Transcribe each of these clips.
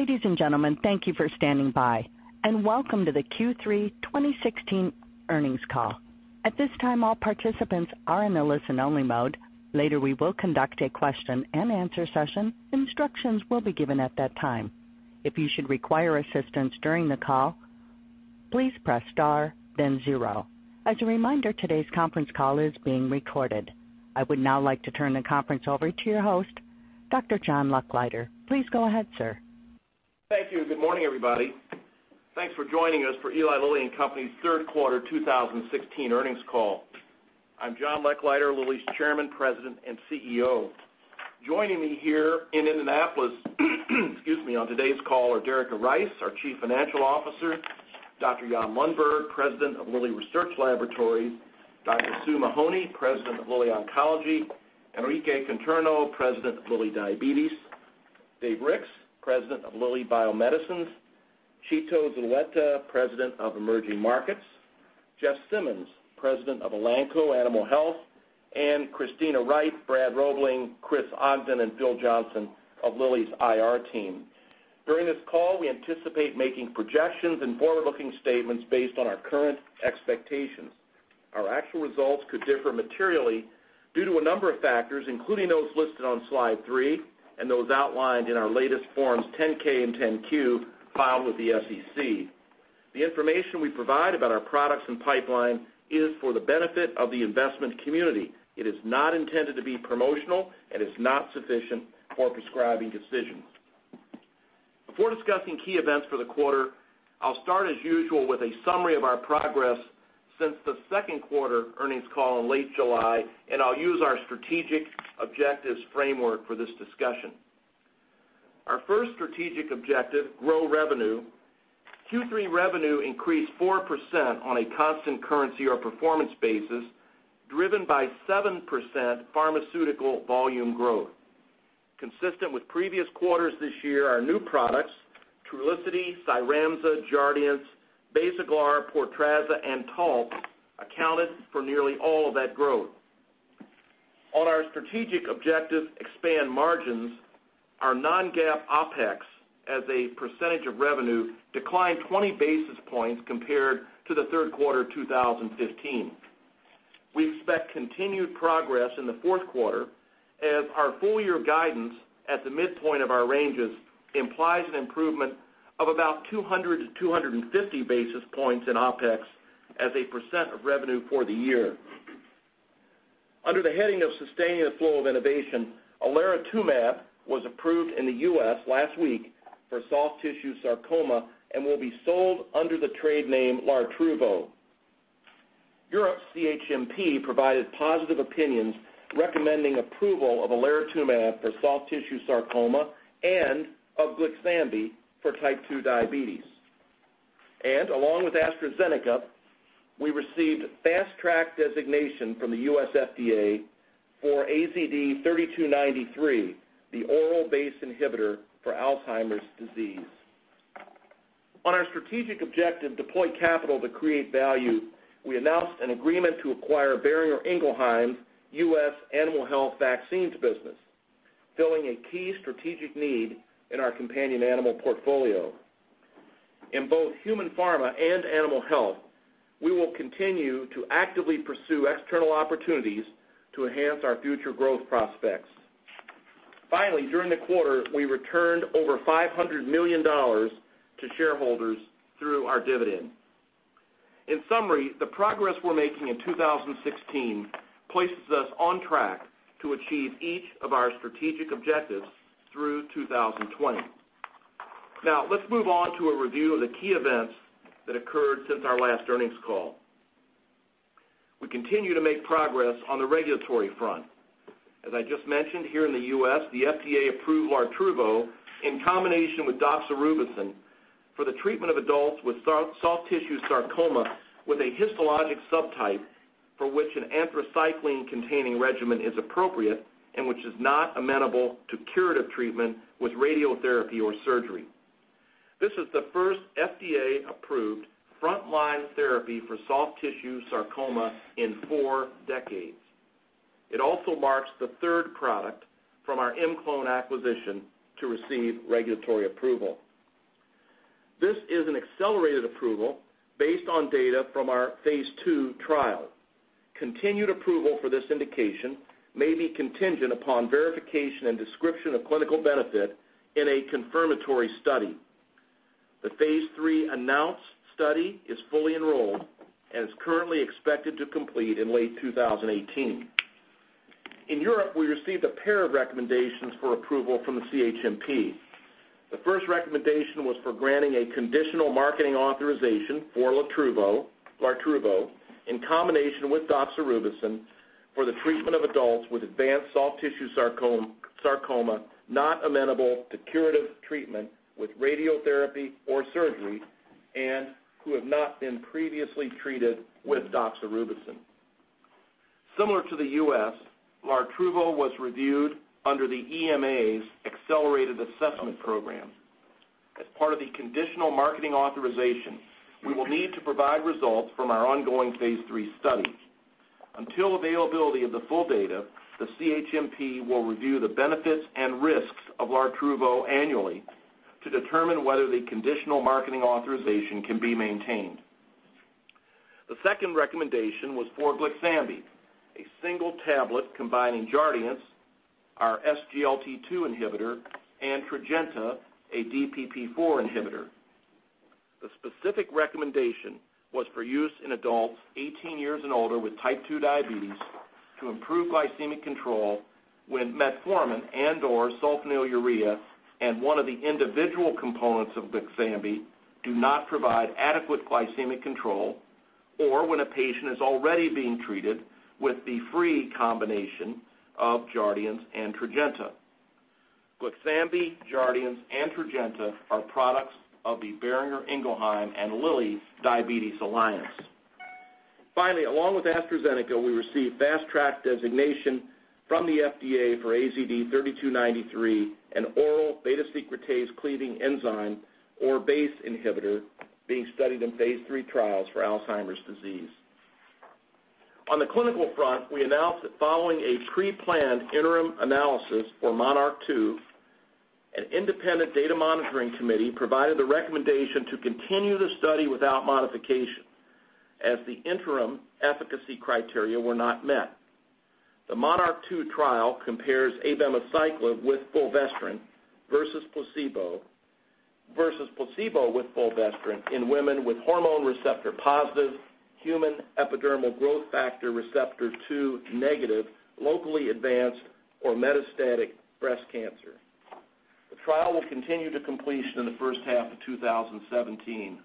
Ladies and gentlemen, thank you for standing by and welcome to the Q3 2016 earnings call. At this time, all participants are in a listen-only mode. Later, we will conduct a question and answer session. Instructions will be given at that time. If you should require assistance during the call, please press star then zero. As a reminder, today's conference call is being recorded. I would now like to turn the conference over to your host, Dr. John Lechleiter. Please go ahead, sir. Thank you. Good morning, everybody. Thanks for joining us for Eli Lilly and Company's third quarter 2016 earnings call. I'm John Lechleiter, Lilly's Chairman, President, and CEO. Joining me here in Indianapolis on today's call are Derica Rice, our Chief Financial Officer, Dr. Jan Lundberg, President of Lilly Research Laboratories, Dr. Sue Mahony, President of Lilly Oncology, Enrique Conterno, President of Lilly Diabetes, Dave Ricks, President of Lilly Bio-Medicines, Chito Zulueta, President of Emerging Markets, Jeff Simmons, President of Elanco Animal Health, Kristina Wright, Brad Robling, Chris Ogden, and Phil Johnson of Lilly's IR team. During this call, we anticipate making projections and forward-looking statements based on our current expectations. Our actual results could differ materially due to a number of factors, including those listed on slide three and those outlined in our latest Forms 10-K and 10-Q filed with the SEC. The information we provide about our products and pipeline is for the benefit of the investment community. It is not intended to be promotional and is not sufficient for prescribing decisions. Before discussing key events for the quarter, I'll start as usual with a summary of our progress since the second quarter earnings call in late July. I'll use our strategic objectives framework for this discussion. Our first strategic objective, grow revenue. Q3 revenue increased 4% on a constant currency or performance basis, driven by 7% pharmaceutical volume growth. Consistent with previous quarters this year, our new products, Trulicity, CYRAMZA, Jardiance, Basaglar, PORTRAZZA, and TALTZ, accounted for nearly all of that growth. On our strategic objective, expand margins, our non-GAAP OPEX as a % of revenue declined 20 basis points compared to the third quarter 2015. We expect continued progress in the fourth quarter as our full-year guidance at the midpoint of our ranges implies an improvement of about 200 to 250 basis points in OPEX as a % of revenue for the year. Under the heading of sustaining the flow of innovation, olaratumab was approved in the U.S. last week for soft tissue sarcoma and will be sold under the trade name Lartruvo. Europe's CHMP provided positive opinions recommending approval of olaratumab for soft tissue sarcoma and of Glyxambi for type 2 diabetes. Along with AstraZeneca, we received fast track designation from the U.S. FDA for AZD3293, the oral BACE inhibitor for Alzheimer's disease. On our strategic objective, deploy capital to create value, we announced an agreement to acquire Boehringer Ingelheim's U.S. Animal Health Vaccines business, filling a key strategic need in our companion animal portfolio. In both human pharma and animal health, we will continue to actively pursue external opportunities to enhance our future growth prospects. Finally, during the quarter, we returned over $500 million to shareholders through our dividend. In summary, the progress we're making in 2016 places us on track to achieve each of our strategic objectives through 2020. Now, let's move on to a review of the key events that occurred since our last earnings call. We continue to make progress on the regulatory front. As I just mentioned, here in the U.S., the FDA approved Lartruvo in combination with doxorubicin for the treatment of adults with soft tissue sarcoma, with a histologic subtype for which an anthracycline-containing regimen is appropriate and which is not amenable to curative treatment with radiotherapy or surgery. This is the first FDA-approved frontline therapy for soft tissue sarcoma in four decades. It also marks the third product from our ImClone acquisition to receive regulatory approval. This is an accelerated approval based on data from our phase II trial. Continued approval for this indication may be contingent upon verification and description of clinical benefit in a confirmatory study. The phase III announced study is fully enrolled and is currently expected to complete in late 2018. In Europe, we received a pair of recommendations for approval from the CHMP. The first recommendation was for granting a conditional marketing authorization for Lartruvo in combination with doxorubicin for the treatment of adults with advanced soft tissue sarcoma, not amenable to curative treatment with radiotherapy or surgery and who have not been previously treated with doxorubicin. Similar to the U.S., Lartruvo was reviewed under the EMA's accelerated assessment program. As part of the conditional marketing authorization, we will need to provide results from our ongoing phase III study. Until availability of the full data, the CHMP will review the benefits and risks of Lartruvo annually to determine whether the conditional marketing authorization can be maintained. The second recommendation was for Glyxambi, a single tablet combining Jardiance, our SGLT2 inhibitor, and Tradjenta, a DPP4 inhibitor. The specific recommendation was for use in adults 18 years and older with type 2 diabetes to improve glycemic control when metformin and/or sulfonylurea and one of the individual components of Glyxambi do not provide adequate glycemic control, or when a patient is already being treated with the free combination of Jardiance and Tradjenta. Glyxambi, Jardiance, and Tradjenta are products of the Boehringer Ingelheim and Lilly Diabetes Alliance. Finally, along with AstraZeneca, we received fast track designation from the FDA for AZD3293, an oral beta-secretase cleaving enzyme or BACE inhibitor being studied in phase III trials for Alzheimer's disease. On the clinical front, we announced that following a pre-planned interim analysis for MONARCH 2, an independent data monitoring committee provided the recommendation to continue the study without modification, as the interim efficacy criteria were not met. The MONARCH 2 trial compares abemaciclib with fulvestrant versus placebo with fulvestrant in women with hormone receptor-positive human epidermal growth factor receptor 2-negative, locally advanced or metastatic breast cancer. The trial will continue to completion in the first half of 2017.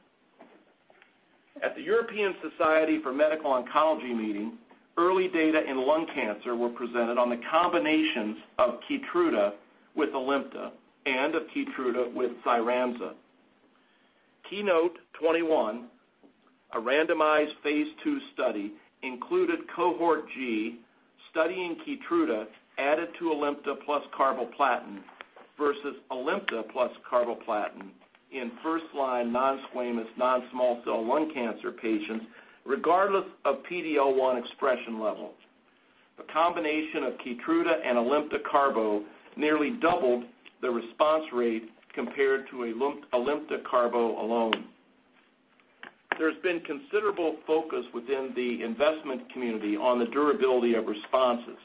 At the European Society for Medical Oncology meeting, early data in lung cancer were presented on the combinations of KEYTRUDA with ALIMTA and of KEYTRUDA with CYRAMZA. KEYNOTE-021, a randomized phase II study, included cohort G studying KEYTRUDA added to ALIMTA plus carboplatin versus ALIMTA plus carboplatin in first-line non-squamous, non-small cell lung cancer patients, regardless of PD-L1 expression levels. The combination of KEYTRUDA and ALIMTA carbo nearly doubled the response rate compared to ALIMTA carbo alone. There's been considerable focus within the investment community on the durability of responses.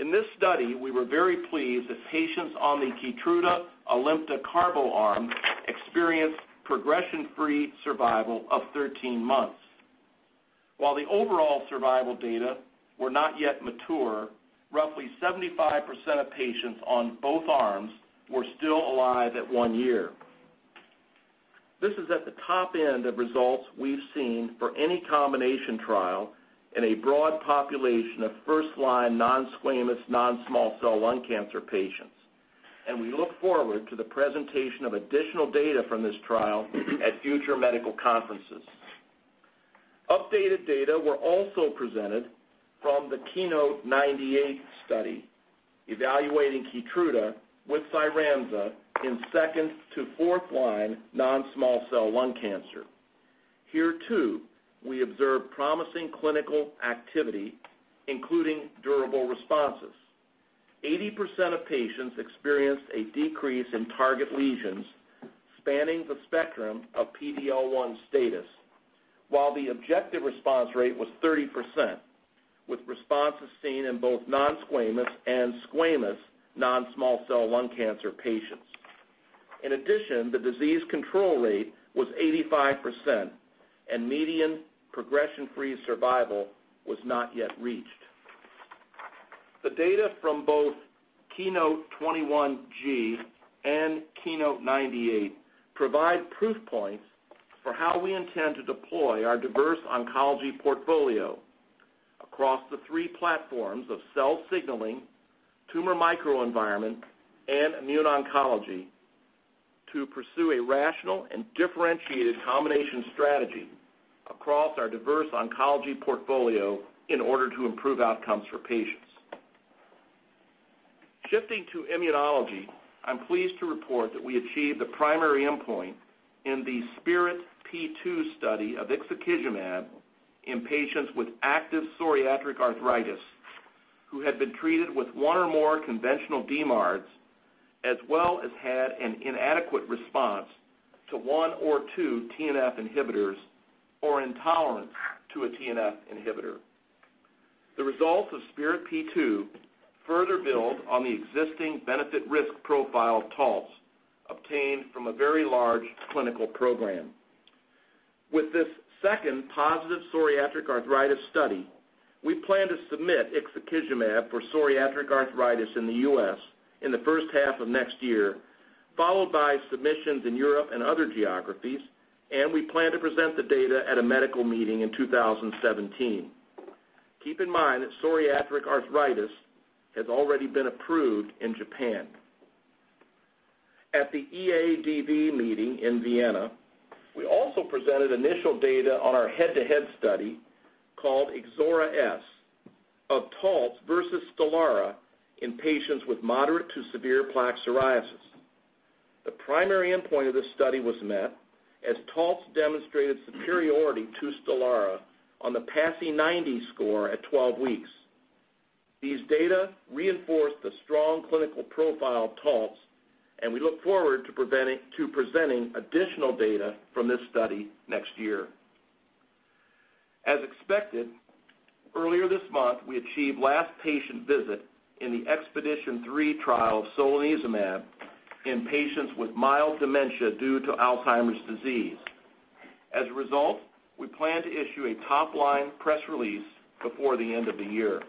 In this study, we were very pleased that patients on the KEYTRUDA ALIMTA carbo arm experienced progression-free survival of 13 months. While the overall survival data were not yet mature, roughly 75% of patients on both arms were still alive at one year. This is at the top end of results we've seen for any combination trial in a broad population of first-line non-squamous, non-small cell lung cancer patients, and we look forward to the presentation of additional data from this trial at future medical conferences. Updated data were also presented from the KEYNOTE-098 study evaluating KEYTRUDA with CYRAMZA in second to fourth line non-small cell lung cancer. Here, too, we observed promising clinical activity, including durable responses. 80% of patients experienced a decrease in target lesions spanning the spectrum of PD-L1 status, while the objective response rate was 30%, with responses seen in both non-squamous and squamous non-small cell lung cancer patients. In addition, the disease control rate was 85% and median progression-free survival was not yet reached. The data from both KEYNOTE-021G and KEYNOTE-098 provide proof points for how we intend to deploy our diverse oncology portfolio across the three platforms of cell signaling, tumor microenvironment, and immune oncology to pursue a rational and differentiated combination strategy across our diverse oncology portfolio in order to improve outcomes for patients. Shifting to immunology, I'm pleased to report that we achieved the primary endpoint in the SPIRIT-P2 study of ixekizumab in patients with active psoriatic arthritis who had been treated with one or more conventional DMARDs, as well as had an inadequate response to one or two TNF inhibitors, or intolerance to a TNF inhibitor. The results of SPIRIT-P2 further build on the existing benefit risk profile of TALTZ obtained from a very large clinical program. With this second positive psoriatic arthritis study, we plan to submit ixekizumab for psoriatic arthritis in the U.S. in the first half of next year, followed by submissions in Europe and other geographies, and we plan to present the data at a medical meeting in 2017. Keep in mind that psoriatic arthritis has already been approved in Japan. At the EADV meeting in Vienna, we also presented initial data on our head-to-head study called IXORA-S of TALTZ versus STELARA in patients with moderate to severe plaque psoriasis. The primary endpoint of this study was met as TALTZ demonstrated superiority to STELARA on the PASI 90 score at 12 weeks. These data reinforce the strong clinical profile of TALTZ, and we look forward to presenting additional data from this study next year. As expected, earlier this month, we achieved last patient visit in the EXPEDITION3 trial of solanezumab in patients with mild dementia due to Alzheimer's disease. As a result, we plan to issue a top-line press release before the end of the year.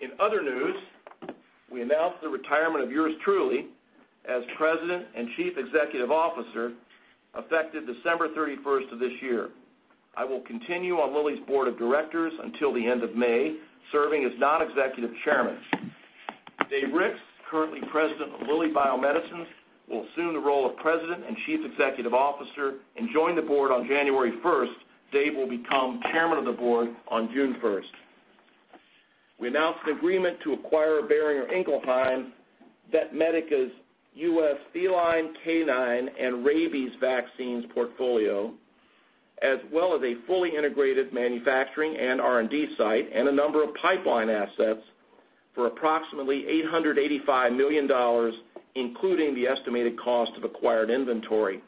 In other news, we announced the retirement of yours truly as President and Chief Executive Officer, effective December 31st of this year. I will continue on Lilly's board of directors until the end of May, serving as non-executive chairman. Dave Ricks, currently President of Lilly Bio-Medicines, will assume the role of President and Chief Executive Officer and join the board on January 1st. Dave will become chairman of the board on June 1st. We announced an agreement to acquire Boehringer Ingelheim Vetmedica's U.S. feline, canine, and rabies vaccines portfolio, as well as a fully integrated manufacturing and R&D site, and a number of pipeline assets for approximately $885 million, including the estimated cost of acquired inventory.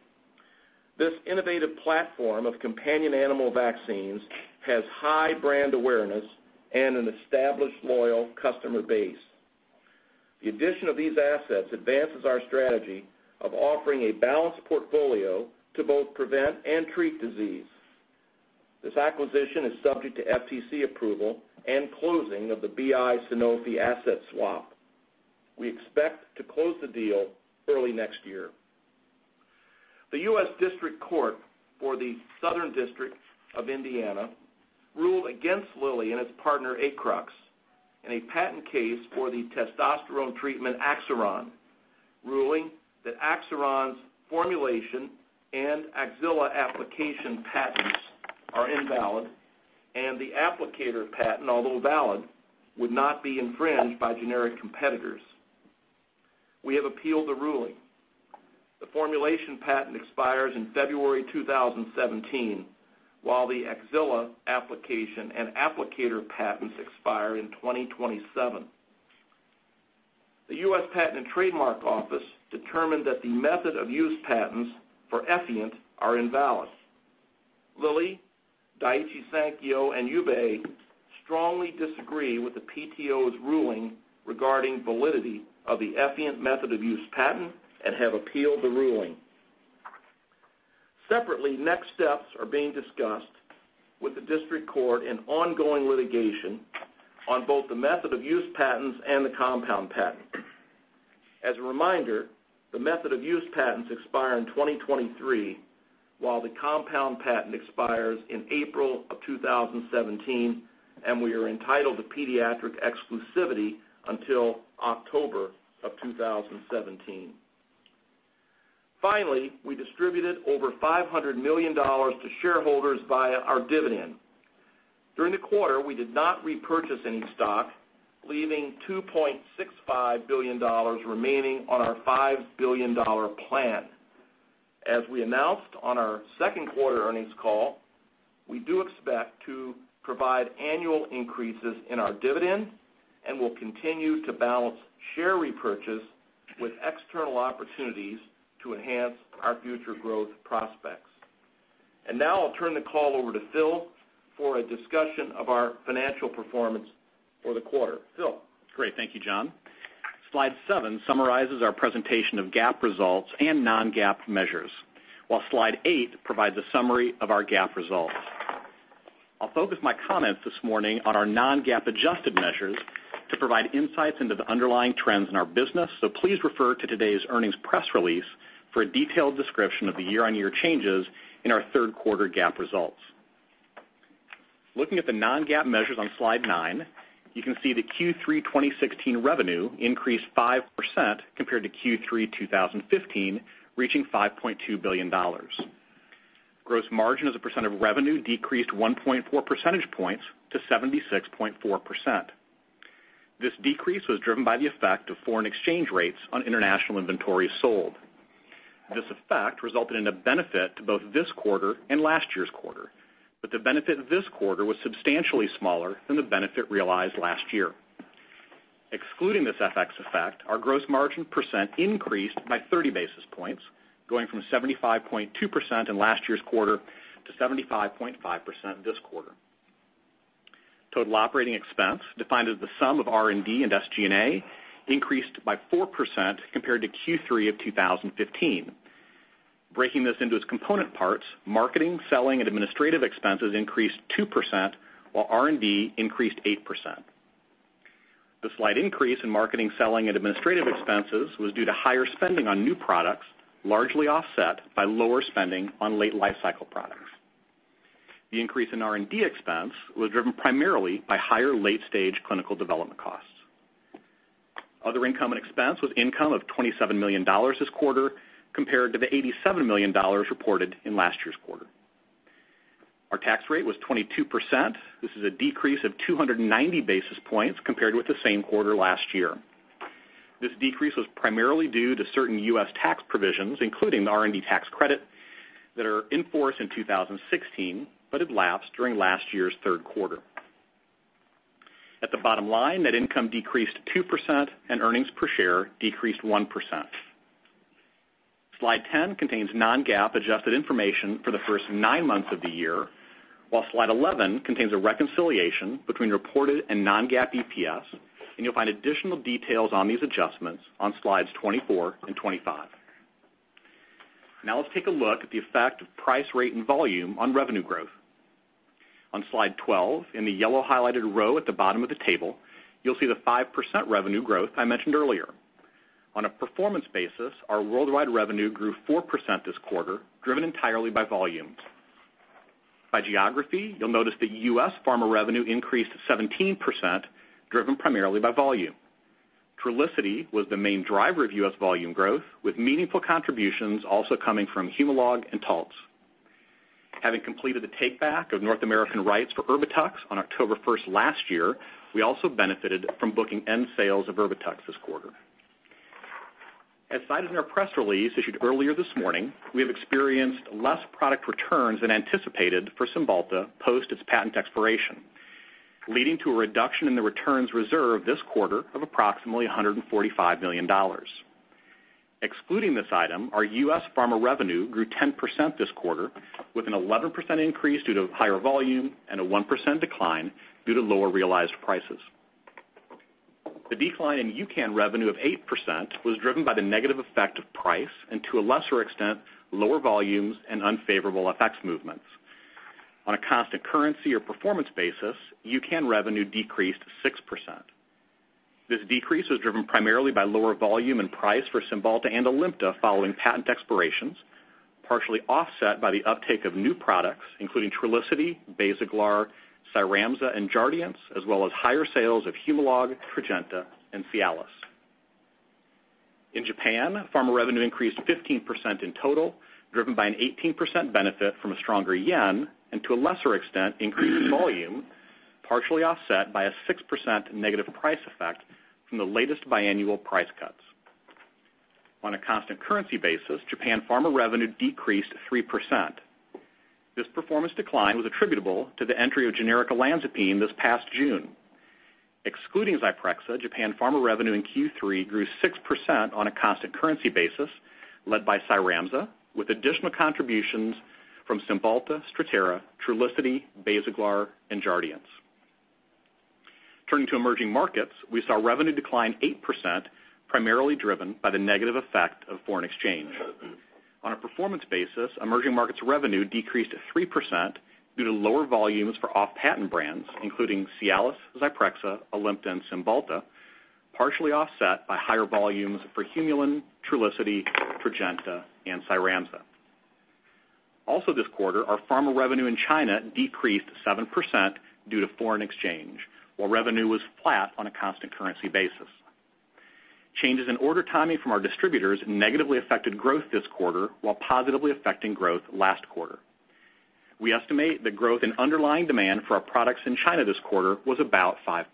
This innovative platform of companion animal vaccines has high brand awareness and an established loyal customer base. The addition of these assets advances our strategy of offering a balanced portfolio to both prevent and treat disease. This acquisition is subject to FTC approval and closing of the BI Sanofi asset swap. We expect to close the deal early next year. The U.S. District Court for the Southern District of Indiana ruled against Lilly and its partner, Acrux, in a patent case for the testosterone treatment Axiron, ruling that Axiron's formulation and axilla application patents are invalid, and the applicator patent, although valid, would not be infringed by generic competitors. We have appealed the ruling. The formulation patent expires in February 2017, while the axilla application and applicator patents expire in 2027. The U.S. Patent and Trademark Office determined that the method of use patents for Effient are invalid. Lilly, Daiichi Sankyo, and Ube strongly disagree with the PTO's ruling regarding validity of the Effient method of use patent and have appealed the ruling. Separately, next steps are being discussed with the district court in ongoing litigation on both the method of use patents and the compound patent. As a reminder, the method of use patents expire in 2023, while the compound patent expires in April of 2017, and we are entitled to pediatric exclusivity until October of 2017. We distributed over $500 million to shareholders via our dividend. During the quarter, we did not repurchase any stock, leaving $2.65 billion remaining on our $5 billion plan. As we announced on our second quarter earnings call, we do expect to provide annual increases in our dividend and will continue to balance share repurchase with external opportunities to enhance our future growth prospects. Now I'll turn the call over to Phil for a discussion of our financial performance for the quarter. Phil? Great. Thank you, John. Slide seven summarizes our presentation of GAAP results and non-GAAP measures, while slide eight provides a summary of our GAAP results. I'll focus my comments this morning on our non-GAAP adjusted measures to provide insights into the underlying trends in our business. Please refer to today's earnings press release for a detailed description of the year-on-year changes in our third quarter GAAP results. Looking at the non-GAAP measures on Slide nine, you can see the Q3 2016 revenue increased 5% compared to Q3 2015, reaching $5.2 billion. Gross margin as a percent of revenue decreased 1.4 percentage points to 76.4%. This decrease was driven by the effect of foreign exchange rates on international inventories sold. This effect resulted in a benefit to both this quarter and last year's quarter, the benefit of this quarter was substantially smaller than the benefit realized last year. Excluding this FX effect, our gross margin percent increased by 30 basis points, going from 75.2% in last year's quarter to 75.5% this quarter. Total operating expense, defined as the sum of R&D and SG&A, increased by 4% compared to Q3 of 2015. Breaking this into its component parts, marketing, selling, and administrative expenses increased 2%, while R&D increased 8%. The slight increase in marketing, selling, and administrative expenses was due to higher spending on new products, largely offset by lower spending on late lifecycle products. The increase in R&D expense was driven primarily by higher late-stage clinical development costs. Other income and expense was income of $27 million this quarter compared to the $87 million reported in last year's quarter. Our tax rate was 22%. This is a decrease of 290 basis points compared with the same quarter last year. This decrease was primarily due to certain U.S. tax provisions, including the R&D tax credit, that are in force in 2016, but had lapsed during last year's third quarter. At the bottom line, net income decreased 2% and earnings per share decreased 1%. Slide 10 contains non-GAAP adjusted information for the first nine months of the year, while slide 11 contains a reconciliation between reported and non-GAAP EPS, and you'll find additional details on these adjustments on slides 24 and 25. Now let's take a look at the effect of price, rate, and volume on revenue growth. On slide 12, in the yellow highlighted row at the bottom of the table, you'll see the 5% revenue growth I mentioned earlier. On a performance basis, our worldwide revenue grew 4% this quarter, driven entirely by volumes. By geography, you'll notice that U.S. pharma revenue increased 17%, driven primarily by volume. Trulicity was the main driver of U.S. volume growth, with meaningful contributions also coming from Humalog and TALTZ. Having completed the takeback of North American rights for ERBITUX on October 1st last year, we also benefited from booking end sales of ERBITUX this quarter. As cited in our press release issued earlier this morning, we have experienced less product returns than anticipated for Cymbalta post its patent expiration, leading to a reduction in the returns reserve this quarter of approximately $145 million. Excluding this item, our U.S. pharma revenue grew 10% this quarter with an 11% increase due to higher volume and a 1% decline due to lower realized prices. The decline in UCAN revenue of 8% was driven by the negative effect of price and, to a lesser extent, lower volumes and unfavorable FX movements. On a constant currency or performance basis, UCAN revenue decreased 6%. This decrease was driven primarily by lower volume and price for Cymbalta and ALIMTA following patent expirations, partially offset by the uptake of new products, including Trulicity, Basaglar, CYRAMZA, and Jardiance, as well as higher sales of Humalog, Tradjenta, and CIALIS. In Japan, pharma revenue increased 15% in total, driven by an 18% benefit from a stronger yen and, to a lesser extent, increased volume, partially offset by a 6% negative price effect from the latest biannual price cuts. On a constant currency basis, Japan pharma revenue decreased 3%. This performance decline was attributable to the entry of generic olanzapine this past June. Excluding ZYPREXA, Japan pharma revenue in Q3 grew 6% on a constant currency basis led by CYRAMZA, with additional contributions from Cymbalta, STRATTERA, Trulicity, Basaglar and Jardiance. Turning to emerging markets, we saw revenue decline 8%, primarily driven by the negative effect of foreign exchange. On a performance basis, emerging markets revenue decreased 3% due to lower volumes for off-patent brands, including CIALIS, ZYPREXA, ALIMTA, and Cymbalta, partially offset by higher volumes for Humulin, Trulicity, Tradjenta, and CYRAMZA. Also this quarter, our pharma revenue in China decreased 7% due to foreign exchange, while revenue was flat on a constant currency basis. Changes in order timing from our distributors negatively affected growth this quarter, while positively affecting growth last quarter. We estimate the growth in underlying demand for our products in China this quarter was about 5%.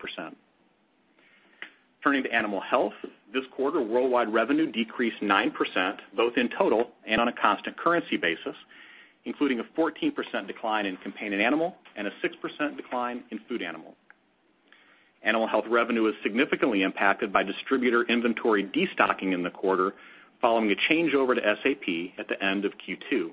Turning to animal health, this quarter, worldwide revenue decreased 9%, both in total and on a constant currency basis, including a 14% decline in companion animal and a 6% decline in food animal. Animal health revenue was significantly impacted by distributor inventory destocking in the quarter, following a changeover to SAP at the end of Q2.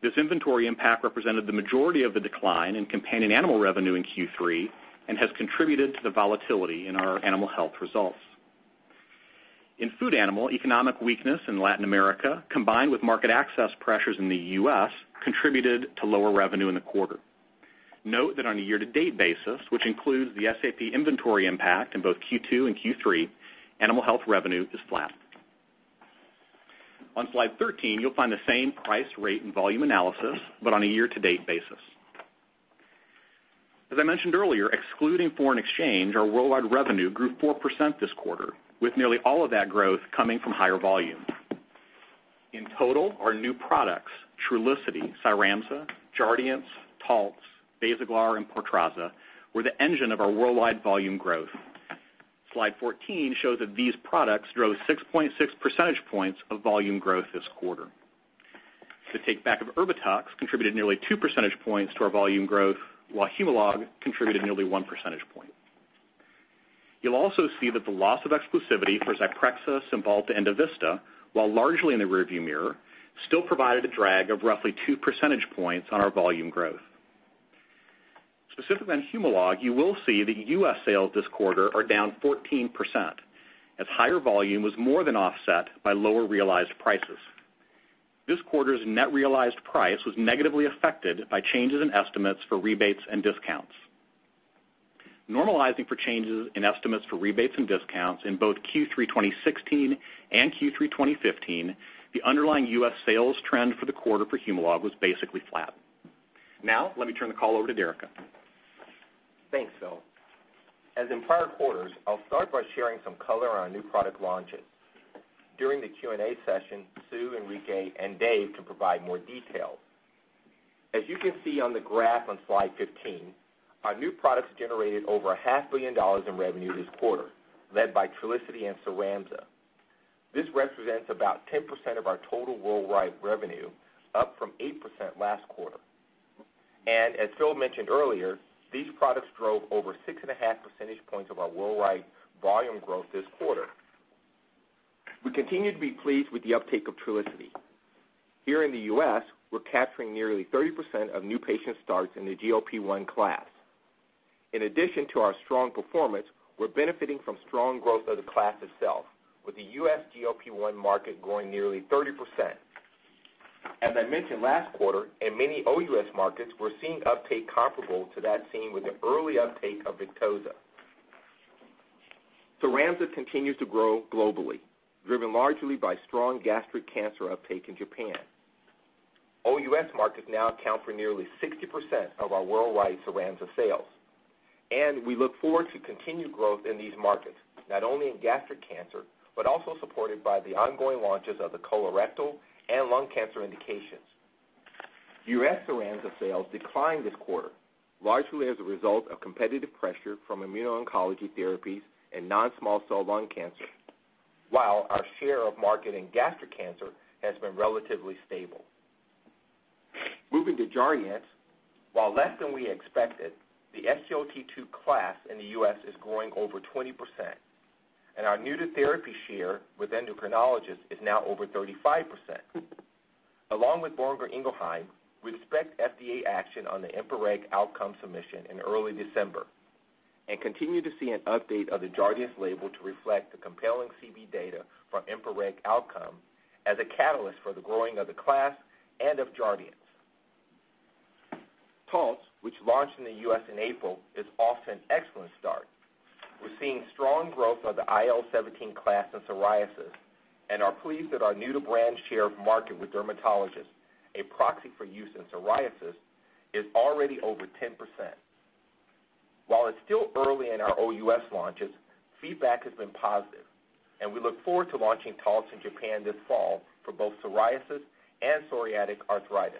This inventory impact represented the majority of the decline in companion animal revenue in Q3 and has contributed to the volatility in our animal health results. In food animal, economic weakness in Latin America, combined with market access pressures in the U.S., contributed to lower revenue in the quarter. Note that on a year-to-date basis, which includes the SAP inventory impact in both Q2 and Q3, animal health revenue is flat. On slide 13, you'll find the same price, rate, and volume analysis, but on a year-to-date basis. As I mentioned earlier, excluding foreign exchange, our worldwide revenue grew 4% this quarter, with nearly all of that growth coming from higher volume. In total, our new products, Trulicity, CYRAMZA, Jardiance, TALTZ, Basaglar, and PORTRAZZA, were the engine of our worldwide volume growth. Slide 14 shows that these products drove 6.6 percentage points of volume growth this quarter. The takeback of ERBITUX contributed nearly two percentage points to our volume growth, while Humalog contributed nearly one percentage point. You'll also see that the loss of exclusivity for ZYPREXA, Cymbalta, and EVISTA, while largely in the rearview mirror, still provided a drag of roughly two percentage points on our volume growth. Specifically on Humalog, you will see that U.S. sales this quarter are down 14%, as higher volume was more than offset by lower realized prices. This quarter's net realized price was negatively affected by changes in estimates for rebates and discounts. Normalizing for changes in estimates for rebates and discounts in both Q3 2016 and Q3 2015, the underlying U.S. sales trend for the quarter for Humalog was basically flat. Now, let me turn the call over to Derica. Thanks, Phil. As in prior quarters, I'll start by sharing some color on our new product launches. During the Q&A session, Sue, Enrique, and Dave can provide more details. As you can see on the graph on slide 15, our new products generated over a half billion dollars in revenue this quarter, led by Trulicity and CYRAMZA. This represents about 10% of our total worldwide revenue, up from 8% last quarter. As Phil mentioned earlier, these products drove over six and a half percentage points of our worldwide volume growth this quarter. We continue to be pleased with the uptake of Trulicity. Here in the U.S., we're capturing nearly 30% of new patient starts in the GLP-1 class. In addition to our strong performance, we're benefiting from strong growth of the class itself, with the U.S. GLP-1 market growing nearly 30%. As I mentioned last quarter, in many OUS markets, we're seeing uptake comparable to that seen with the early uptake of Victoza. CYRAMZA continues to grow globally, driven largely by strong gastric cancer uptake in Japan. OUS markets now account for nearly 60% of our worldwide CYRAMZA sales, and we look forward to continued growth in these markets, not only in gastric cancer, but also supported by the ongoing launches of the colorectal and lung cancer indications. U.S. CYRAMZA sales declined this quarter, largely as a result of competitive pressure from immuno-oncology therapies and non-small cell lung cancer, while our share of market in gastric cancer has been relatively stable. Moving to Jardiance, while less than we expected, the SGLT2 class in the U.S. is growing over 20%, and our new-to-therapy share with endocrinologists is now over 35%. Along with Boehringer Ingelheim, we expect FDA action on the EMPA-REG OUTCOME submission in early December and continue to see an update of the Jardiance label to reflect the compelling CV data for EMPA-REG OUTCOME as a catalyst for the growing of the class and of Jardiance. TALTZ, which launched in the U.S. in April, is off to an excellent start. We're seeing strong growth of the IL-17 class in psoriasis and are pleased that our new-to-brand share of market with dermatologists, a proxy for use in psoriasis, is already over 10%. While it's still early in our OUS launches, feedback has been positive, and we look forward to launching TALTZ in Japan this fall for both psoriasis and psoriatic arthritis.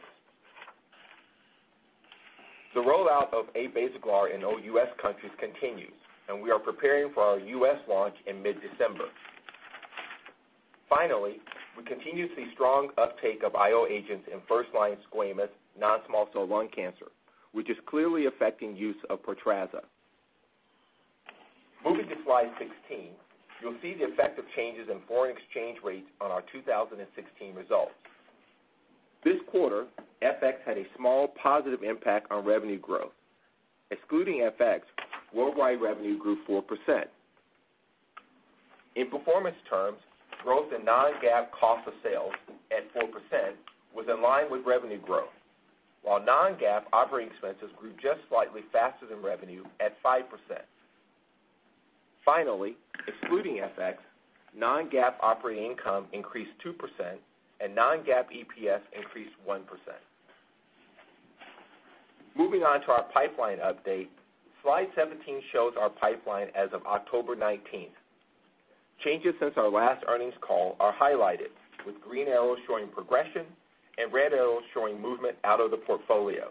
The rollout of Abasaglar in OUS countries continues, and we are preparing for our U.S. launch in mid-December. Finally, we continue to see strong uptake of IO agents in first-line squamous non-small cell lung cancer, which is clearly affecting use of PORTRAZZA. Moving to slide 16, you'll see the effect of changes in foreign exchange rates on our 2016 results. This quarter, FX had a small positive impact on revenue growth. Excluding FX, worldwide revenue grew 4%. In performance terms, growth in non-GAAP cost of sales at 4% was in line with revenue growth, while non-GAAP operating expenses grew just slightly faster than revenue at 5%. Finally, excluding FX, non-GAAP operating income increased 2% and non-GAAP EPS increased 1%. Moving on to our pipeline update. Slide 17 shows our pipeline as of October 19th. Changes since our last earnings call are highlighted, with green arrows showing progression and red arrows showing movement out of the portfolio.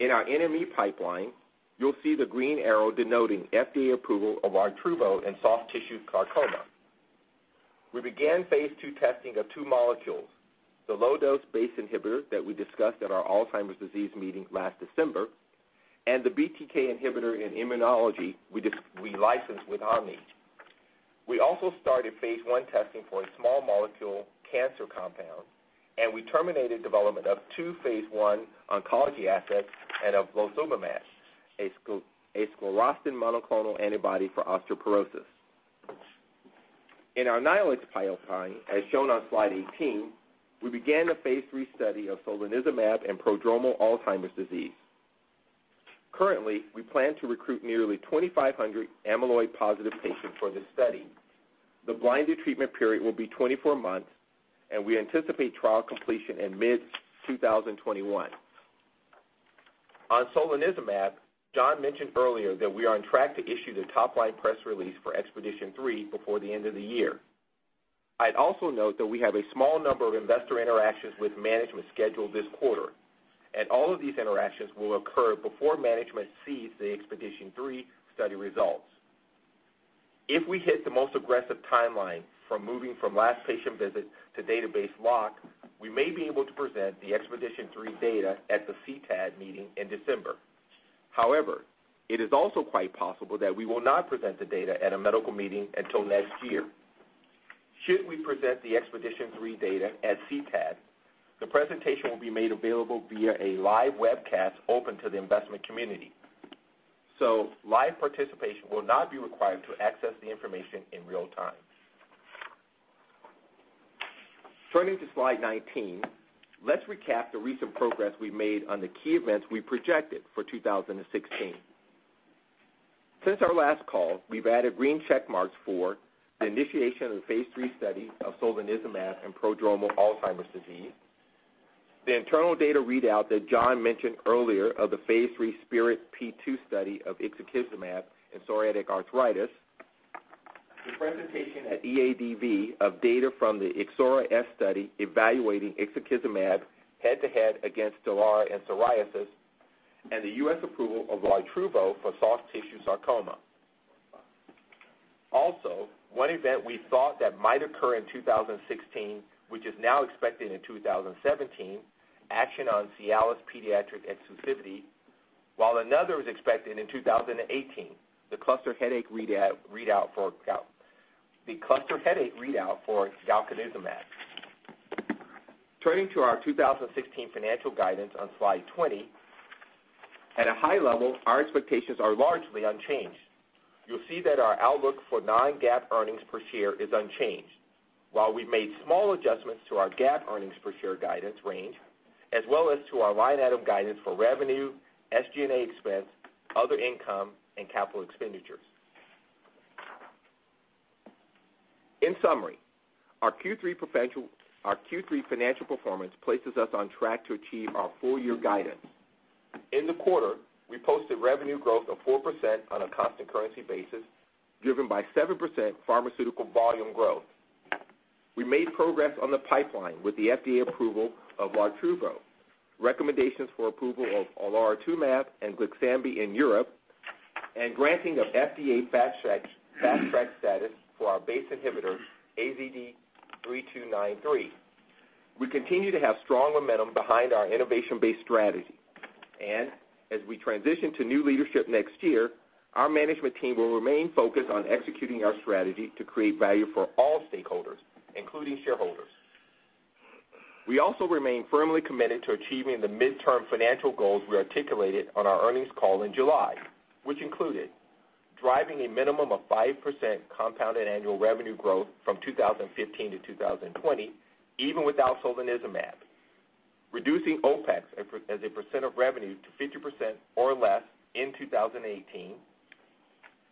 In our NME pipeline, you'll see the green arrow denoting FDA approval of Lartruvo in soft tissue sarcoma. We began phase II testing of two molecules, the low-dose BACE inhibitor that we discussed at our Alzheimer's disease meeting last December and the BTK inhibitor in immunology we licensed with Hanmi. We also started phase I testing for a small molecule cancer compound, and we terminated development of two phase I oncology assets and of blosozumab, a sclerostin monoclonal antibody for osteoporosis. In our non-NME pipeline, as shown on slide 18, we began a phase III study of solanezumab in prodromal Alzheimer's disease. Currently, we plan to recruit nearly 2,500 amyloid-positive patients for this study. The blinded treatment period will be 24 months, and we anticipate trial completion in mid-2021. On solanezumab, John mentioned earlier that we are on track to issue the top-line press release for EXPEDITION3 before the end of the year. I'd also note that we have a small number of investor interactions with management scheduled this quarter. All of these interactions will occur before management sees the EXPEDITION3 study results. If we hit the most aggressive timeline from moving from last patient visit to database lock, we may be able to present the EXPEDITION3 data at the CTAD meeting in December. However, it is also quite possible that we will not present the data at a medical meeting until next year. Should we present the EXPEDITION3 data at CTAD, the presentation will be made available via a live webcast open to the investment community, so live participation will not be required to access the information in real time. Turning to slide 19, let's recap the recent progress we've made on the key events we projected for 2016. Since our last call, we've added green check marks for the initiation of the phase III study of solanezumab in prodromal Alzheimer's disease, the internal data readout that John mentioned earlier of the phase III SPIRIT-P2 study of ixekizumab in psoriatic arthritis, the presentation at EADV of data from the IXORA-S study evaluating ixekizumab head-to-head against STELARA in psoriasis, and the U.S. approval of Lartruvo for soft tissue sarcoma. One event we thought that might occur in 2016, which is now expected in 2017, action on CIALIS pediatric exclusivity, while another is expected in 2018, the cluster headache readout for galcanezumab. Turning to our 2016 financial guidance on slide 20. At a high level, our expectations are largely unchanged. You'll see that our outlook for non-GAAP earnings per share is unchanged. While we've made small adjustments to our GAAP earnings per share guidance range, as well as to our line item guidance for revenue, SG&A expense, other income, and capital expenditures. In summary, our Q3 financial performance places us on track to achieve our full-year guidance. In the quarter, we posted revenue growth of 4% on a constant currency basis, driven by 7% pharmaceutical volume growth. We made progress on the pipeline with the FDA approval of Lartruvo, recommendations for approval of Alirocumab and Glyxambi in Europe, and granting of FDA fast track status for our BACE inhibitor, AZD3293. We continue to have strong momentum behind our innovation-based strategy. As we transition to new leadership next year, our management team will remain focused on executing our strategy to create value for all stakeholders, including shareholders. We remain firmly committed to achieving the midterm financial goals we articulated on our earnings call in July, which included driving a minimum of 5% compounded annual revenue growth from 2015 to 2020, even without solanezumab. Reducing OPEX as a percent of revenue to 50% or less in 2018.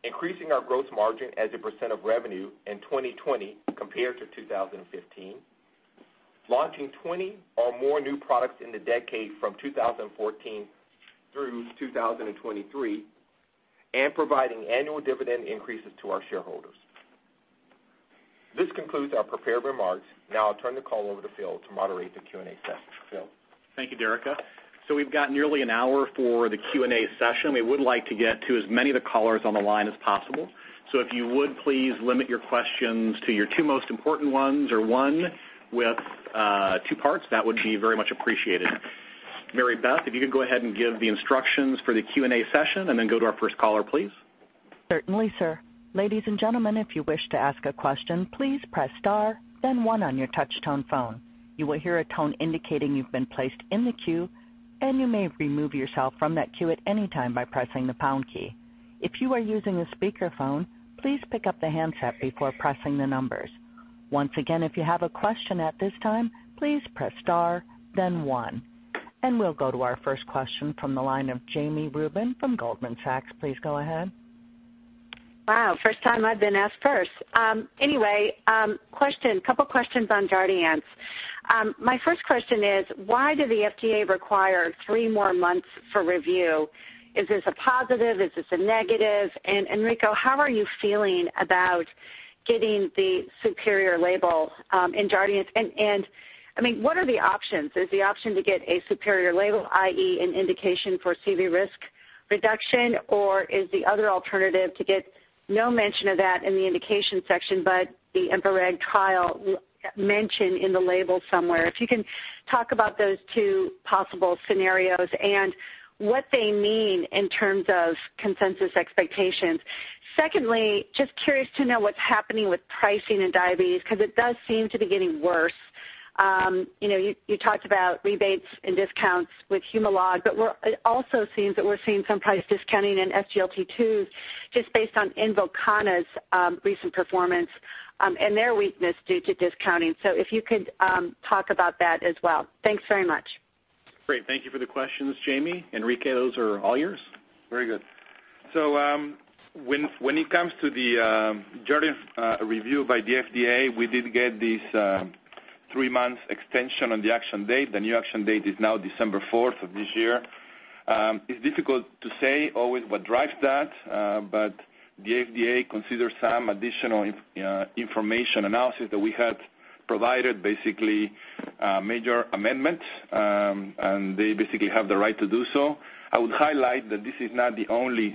Increasing our gross margin as a percent of revenue in 2020 compared to 2015. Launching 20 or more new products in the decade from 2014 through 2023. Providing annual dividend increases to our shareholders. This concludes our prepared remarks. Now I'll turn the call over to Phil to moderate the Q&A session. Phil? Thank you, Derica. We've got nearly an hour for the Q&A session. We would like to get to as many of the callers on the line as possible. If you would, please limit your questions to your two most important ones or one with two parts, that would be very much appreciated. Mary Beth, if you could go ahead and give the instructions for the Q&A session then go to our first caller, please. Certainly, sir. Ladies and gentlemen, if you wish to ask a question, please press star then one on your touch tone phone. You will hear a tone indicating you've been placed in the queue. You may remove yourself from that queue at any time by pressing the pound key. If you are using a speakerphone, please pick up the handset before pressing the numbers. Once again, if you have a question at this time, please press star then one. We'll go to our first question from the line of Jami Rubin from Goldman Sachs. Please go ahead. Wow. First time I've been asked first. Anyway, couple questions on Jardiance. My first question is, why did the FDA require 3 more months for review? Is this a positive? Is this a negative? Enrique, how are you feeling about getting the superior label in Jardiance? What are the options? Is the option to get a superior label, i.e., an indication for CV risk reduction? Or is the other alternative to get no mention of that in the indication section, but the EMPA-REG trial mentioned in the label somewhere? If you can talk about those two possible scenarios and what they mean in terms of consensus expectations. Secondly, just curious to know what's happening with pricing in diabetes, because it does seem to be getting worse. You talked about rebates and discounts with Humalog, but it also seems that we're seeing some price discounting in SGLT2s just based on INVOKANA's recent performance and their weakness due to discounting. If you could talk about that as well. Thanks very much. Great. Thank you for the questions, Jami. Enrique, those are all yours. Very good. When it comes to the Jardiance review by the FDA, we did get this three-month extension on the action date. The new action date is now December 4th of this year. It's difficult to say always what drives that, but the FDA considers some additional information analysis that we had provided, basically major amendments, and they basically have the right to do so. I would highlight that this is not the only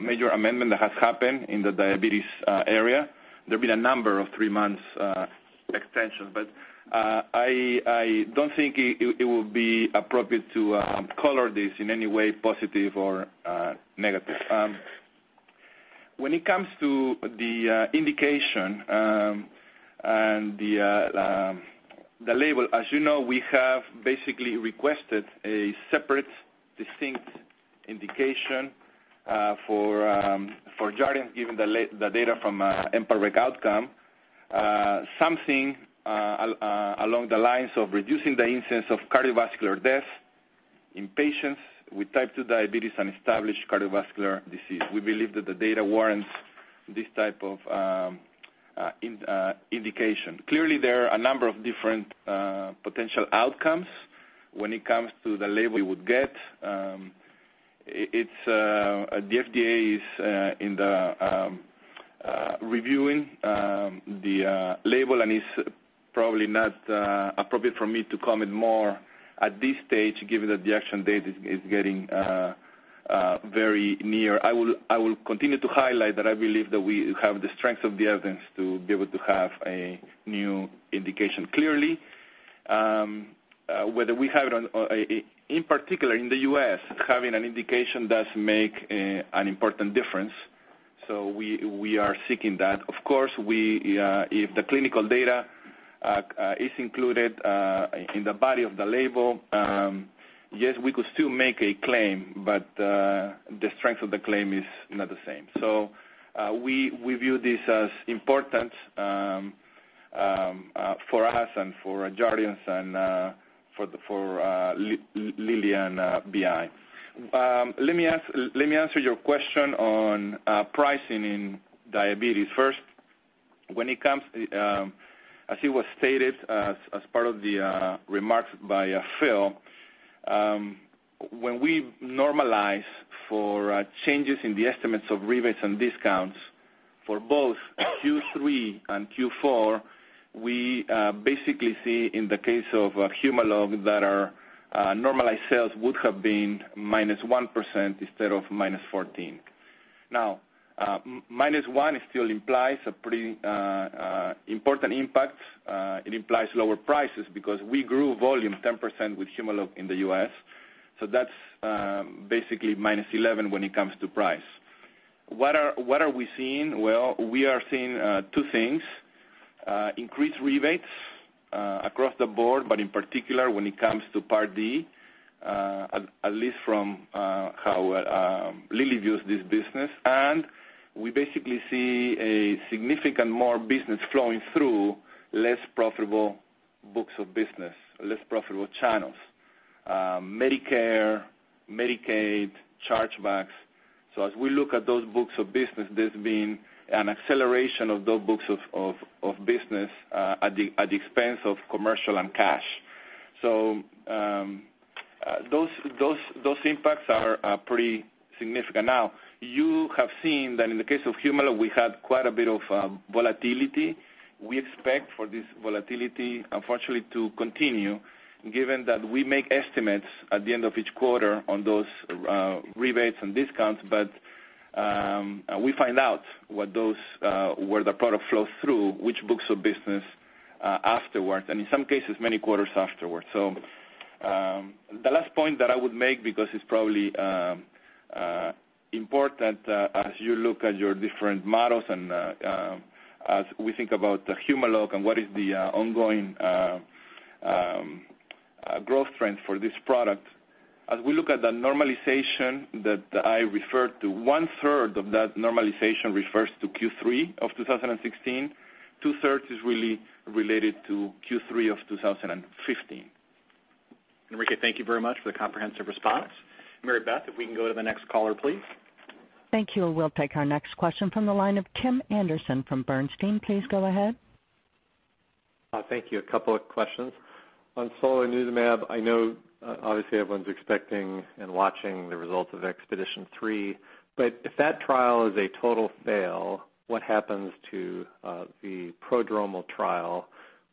major amendment that has happened in the diabetes area. There have been a number of three months extensions. I don't think it would be appropriate to color this in any way positive or negative. When it comes to the indication and the label, as you know, we have basically requested a separate, distinct indication for Jardiance given the data from EMPA-REG OUTCOME. Something along the lines of reducing the incidence of cardiovascular death In patients with type 2 diabetes and established cardiovascular disease. We believe that the data warrants this type of indication. Clearly, there are a number of different potential outcomes when it comes to the label we would get. The FDA is in the reviewing the label, and it's probably not appropriate for me to comment more at this stage, given that the action date is getting very near. I will continue to highlight that I believe that we have the strength of the evidence to be able to have a new indication. Clearly, in particular in the U.S., having an indication does make an important difference. We are seeking that. Of course, if the clinical data is included in the body of the label, yes, we could still make a claim, but the strength of the claim is not the same. We view this as important for us and for Jardiance and for Lilly and BI. Let me answer your question on pricing in diabetes. First, as it was stated as part of the remarks by Phil, when we normalize for changes in the estimates of rebates and discounts for both Q3 and Q4, we basically see in the case of Humalog that our normalized sales would have been -1% instead of -14. Now, -1 still implies a pretty important impact. It implies lower prices because we grew volume 10% with Humalog in the U.S. That's basically -11 when it comes to price. What are we seeing? Well, we are seeing two things. Increased rebates across the board, but in particular when it comes to Part D, at least from how Lilly views this business. We basically see a significant more business flowing through less profitable books of business, less profitable channels. Medicare, Medicaid, chargebacks. As we look at those books of business, there's been an acceleration of those books of business at the expense of commercial and cash. Those impacts are pretty significant. Now, you have seen that in the case of Humalog, we had quite a bit of volatility. We expect for this volatility, unfortunately, to continue given that we make estimates at the end of each quarter on those rebates and discounts, but we find out where the product flows through which books of business afterwards, and in some cases, many quarters afterwards. The last point that I would make, because it's probably important as you look at your different models and as we think about the Humalog and what is the ongoing growth trend for this product. As we look at the normalization that I referred to, one third of that normalization refers to Q3 of 2016. Two thirds is really related to Q3 of 2015. Enrique, thank you very much for the comprehensive response. Mary Beth, if we can go to the next caller, please. Thank you. We'll take our next question from the line of Tim Anderson from Bernstein. Please go ahead. Thank you. A couple of questions. On solanezumab, I know obviously everyone's expecting and watching the results of EXPEDITION3, but if that trial is a total fail, what happens to the prodromal trial?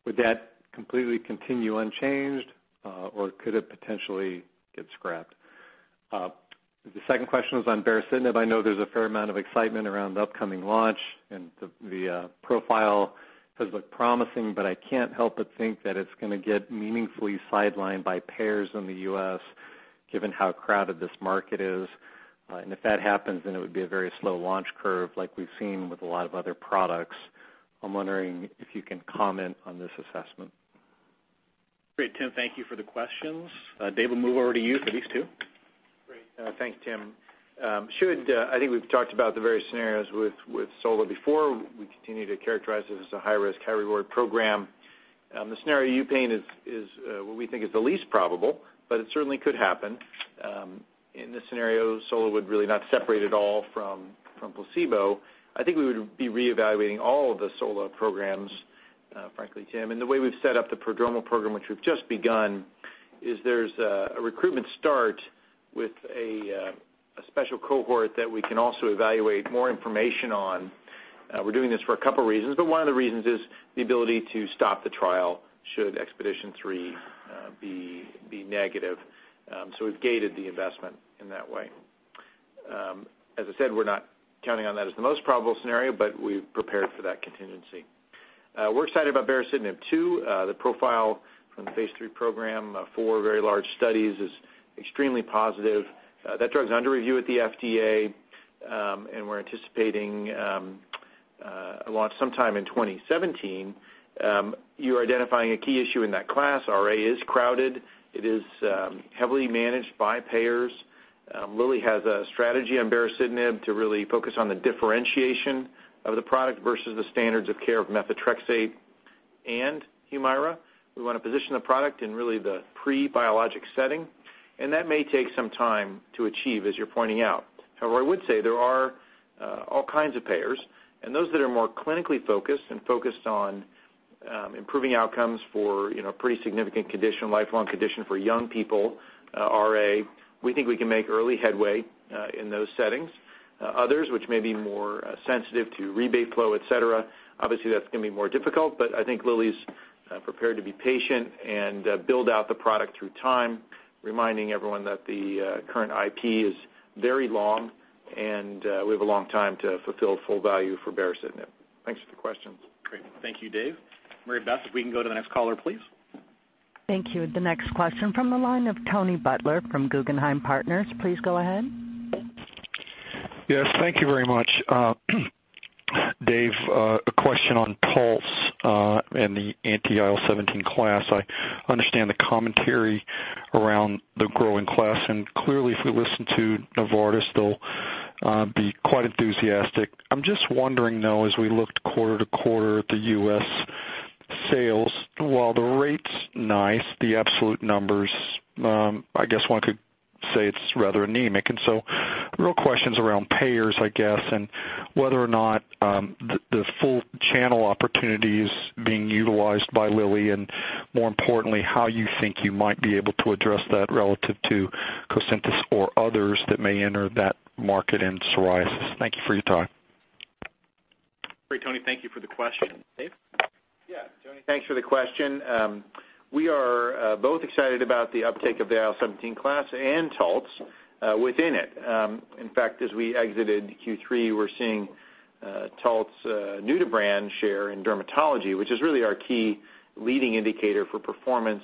Would that completely continue unchanged, or could it potentially get scrapped? The second question is on baricitinib. I know there's a fair amount of excitement around the upcoming launch, and the profile does look promising, but I can't help but think that it's going to get meaningfully sidelined by payers in the U.S., given how crowded this market is. If that happens, then it would be a very slow launch curve like we've seen with a lot of other products. I'm wondering if you can comment on this assessment. Great, Tim, thank you for the questions. Dave, we'll move over to you for these two. Great. Thanks, Tim. I think we've talked about the various scenarios with solanezumab before. We continue to characterize it as a high risk, high reward program. The scenario you paint is what we think is the least probable, but it certainly could happen. In this scenario, solanezumab would really not separate at all from placebo. I think we would be reevaluating all of the solanezumab programs, frankly, Tim. The way we've set up the prodromal program, which we've just begun, is there's a recruitment start with a special cohort that we can also evaluate more information on. We're doing this for a couple reasons, but one of the reasons is the ability to stop the trial should EXPEDITION3 be negative. We've gated the investment in that way. As I said, we're not counting on that as the most probable scenario, but we've prepared for that contingency. We're excited about baricitinib too. The profile from the phase III program, four very large studies, is extremely positive. That drug's under review at the FDA, We're anticipating a launch sometime in 2017. You're identifying a key issue in that class. RA is crowded. It is heavily managed by payers. Lilly has a strategy on baricitinib to really focus on the differentiation of the product versus the standards of care of methotrexate and Humira. We want to position the product in really the pre-biologic setting, That may take some time to achieve, as you're pointing out. I would say there are all kinds of payers and those that are more clinically focused and focused on improving outcomes for pretty significant condition, lifelong condition for young people, RA, we think we can make early headway in those settings. Others, which may be more sensitive to rebate flow, et cetera, obviously, that's going to be more difficult, but I think Lilly's prepared to be patient and build out the product through time, reminding everyone that the current IP is very long, and we have a long time to fulfill full value for baricitinib. Thanks for the question. Great. Thank you, Dave. Mary Beth, if we can go to the next caller, please. Thank you. The next question from the line of Tony Butler from Guggenheim Partners. Please go ahead. Yes. Thank you very much. Dave, a question on Taltz, and the anti-IL-17 class. I understand the commentary around the growing class, and clearly if we listen to Novartis, they'll be quite enthusiastic. I'm just wondering, though, as we looked quarter to quarter at the U.S. sales, while the rate's nice, the absolute numbers, I guess one could say it's rather anemic. Real questions around payers, I guess, and whether or not the full channel opportunity is being utilized by Lilly and more importantly, how you think you might be able to address that relative to Cosentyx or others that may enter that market in psoriasis. Thank you for your time. Great, Tony. Thank you for the question. Dave? Yeah. Tony, thanks for the question. We are both excited about the uptake of the IL-17 class and Taltz within it. In fact, as we exited Q3, we're seeing Taltz new to brand share in dermatology, which is really our key leading indicator for performance,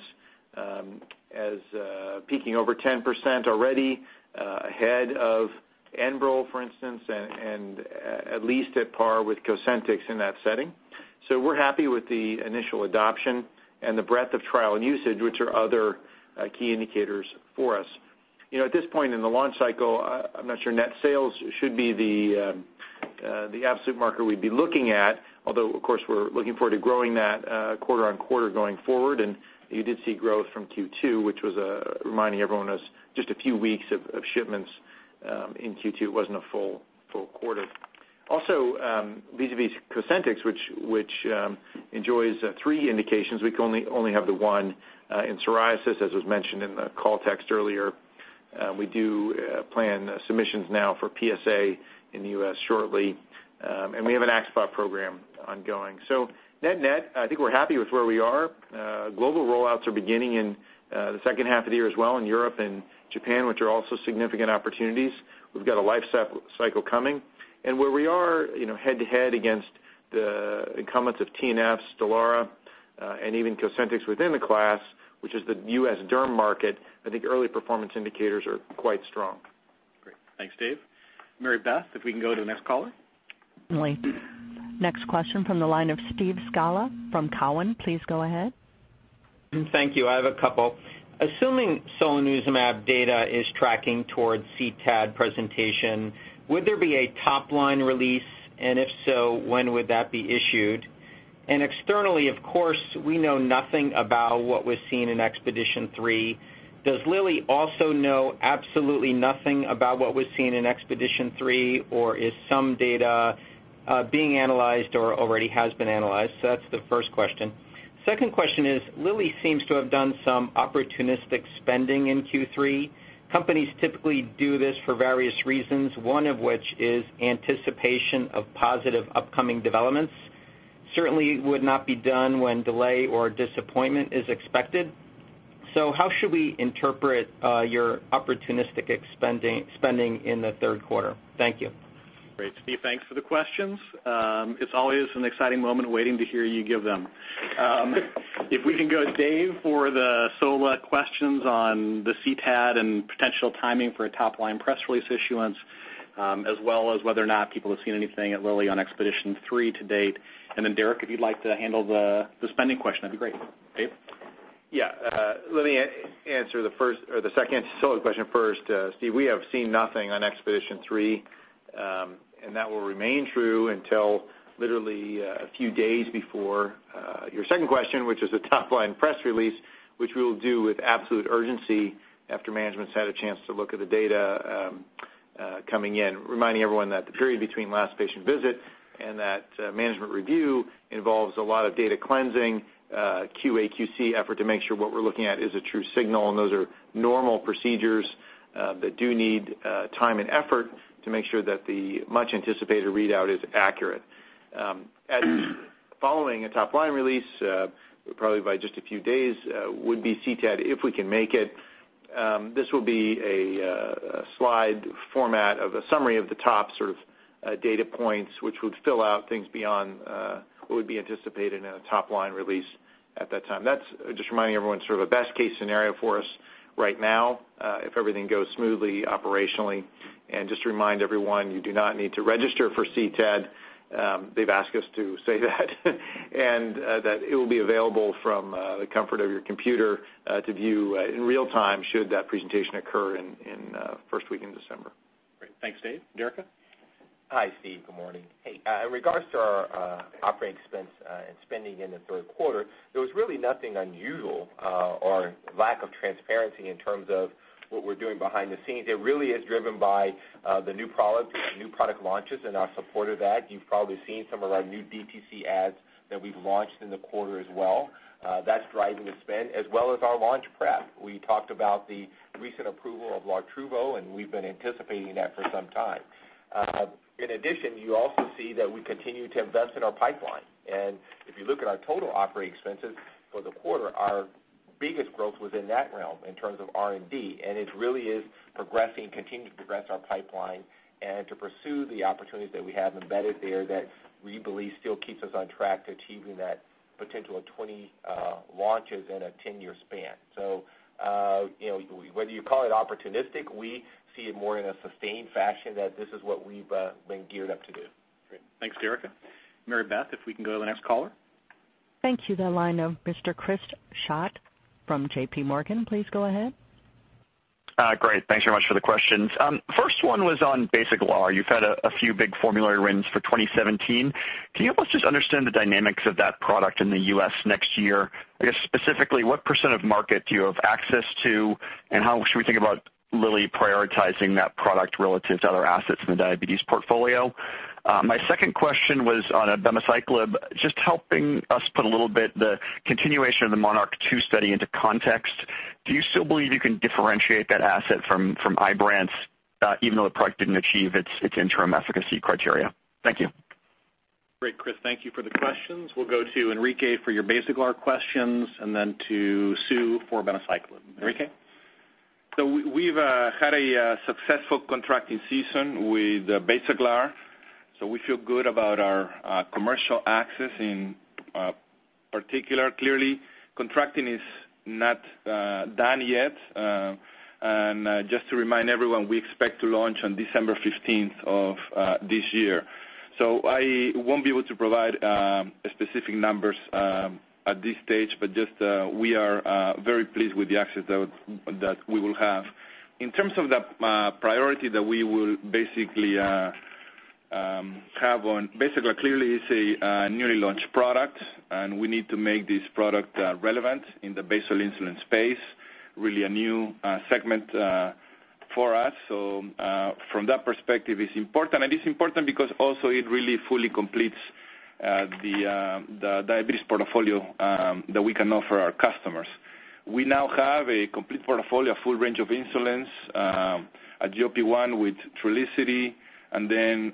as peaking over 10% already ahead of Enbrel, for instance, and at least at par with Cosentyx in that setting. We're happy with the initial adoption and the breadth of trial and usage, which are other key indicators for us. At this point in the launch cycle, I'm not sure net sales should be the absolute marker we'd be looking at. Although, of course, we're looking forward to growing that quarter-on-quarter going forward. You did see growth from Q2, which was reminding everyone was just a few weeks of shipments in Q2. It wasn't a full quarter. Also, vis-à-vis Cosentyx, which enjoys three indications, we only have the one in psoriasis, as was mentioned in the call text earlier. We do plan submissions now for PSA in the U.S. shortly. We have an AxSpA program ongoing. Net net, I think we're happy with where we are. Global rollouts are beginning in the second half of the year as well in Europe and Japan, which are also significant opportunities. We've got a life cycle coming. Where we are head to head against the incumbents of TNFs, Stelara, and even Cosentyx within the class, which is the U.S. derm market, I think early performance indicators are quite strong. Great. Thanks, Dave. Mary Beth, if we can go to the next caller? Certainly. Next question from the line of Steve Scala from Cowen. Please go ahead. Thank you. I have a couple. Assuming solanezumab data is tracking towards CTAD presentation, would there be a top-line release, and if so, when would that be issued? Externally, of course, we know nothing about what was seen in EXPEDITION3. Does Lilly also know absolutely nothing about what was seen in EXPEDITION3, or is some data being analyzed or already has been analyzed? That's the first question. Second question is, Lilly seems to have done some opportunistic spending in Q3. Companies typically do this for various reasons, one of which is anticipation of positive upcoming developments. Certainly would not be done when delay or disappointment is expected. How should we interpret your opportunistic spending in the third quarter? Thank you. Great, Steve. Thanks for the questions. It's always an exciting moment waiting to hear you give them. We can go, Dave, for the sola questions on the CTAD and potential timing for a top-line press release issuance, as well as whether or not people have seen anything at Lilly on EXPEDITION3 to date. Then Derica, if you'd like to handle the spending question, that'd be great. Dave? Yeah. Let me answer the first or the second sola question first. Steve, we have seen nothing on EXPEDITION3, that will remain true until literally a few days before your second question, which is a top-line press release, which we will do with absolute urgency after management's had a chance to look at the data coming in. Reminding everyone that the period between last patient visit and that management review involves a lot of data cleansing, QA, QC effort to make sure what we're looking at is a true signal, those are normal procedures that do need time and effort to make sure that the much-anticipated readout is accurate. Following a top-line release, probably by just a few days, would be CTAD, if we can make it. This will be a slide format of a summary of the top sort of data points, which would fill out things beyond what would be anticipated in a top-line release at that time. That's, just reminding everyone, sort of a best case scenario for us right now, if everything goes smoothly operationally. Just to remind everyone, you do not need to register for CTAD. They've asked us to say that and that it will be available from the comfort of your computer to view in real time should that presentation occur in first week in December. Great. Thanks, Dave. Derica? Hi, Steve. Good morning. In regards to our operating expense and spending in the third quarter, there was really nothing unusual or lack of transparency in terms of what we're doing behind the scenes. It really is driven by the new product launches and our support of that. You've probably seen some of our new DTC ads that we've launched in the quarter as well. That's driving the spend as well as our launch prep. We talked about the recent approval of Lartruvo, and we've been anticipating that for some time. In addition, you also see that we continue to invest in our pipeline. If you look at our total operating expenses for the quarter, our biggest growth was in that realm in terms of R&D. It really is progressing, continuing to progress our pipeline and to pursue the opportunities that we have embedded there that we believe still keeps us on track to achieving that potential of 20 launches in a 10-year span. Whether you call it opportunistic, we see it more in a sustained fashion that this is what we've been geared up to do. Great. Thanks, Dereca. Mary Beth, if we can go to the next caller. Thank you. The line of Mr. Chris Schott from JPMorgan, please go ahead. Great. Thanks very much for the questions. First one was on Basaglar. You've had a few big formulary wins for 2017. Can you help us just understand the dynamics of that product in the U.S. next year? I guess specifically, what % of market do you have access to, and how should we think about really prioritizing that product relative to other assets in the diabetes portfolio? My second question was on abemaciclib, just helping us put a little bit the continuation of the MONARCH 2 study into context. Do you still believe you can differentiate that asset from Ibrance, even though the product didn't achieve its interim efficacy criteria? Thank you. Great, Chris. Thank you for the questions. We'll go to Enrique for your Basaglar questions and then to Sue for abemaciclib. Enrique? We've had a successful contracting season with Basaglar. We feel good about our commercial access in particular. Clearly, contracting is not done yet. Just to remind everyone, we expect to launch on December 15th of this year. I won't be able to provide specific numbers at this stage, but just we are very pleased with the access that we will have. In terms of the priority that we will basically have on Basaglar, clearly it's a newly launched product, and we need to make this product relevant in the basal insulin space, really a new segment for us. From that perspective, it's important. It's important because also it really fully completes the diabetes portfolio that we can offer our customers. We now have a complete portfolio, full range of insulins, a GLP-1 with Trulicity, and then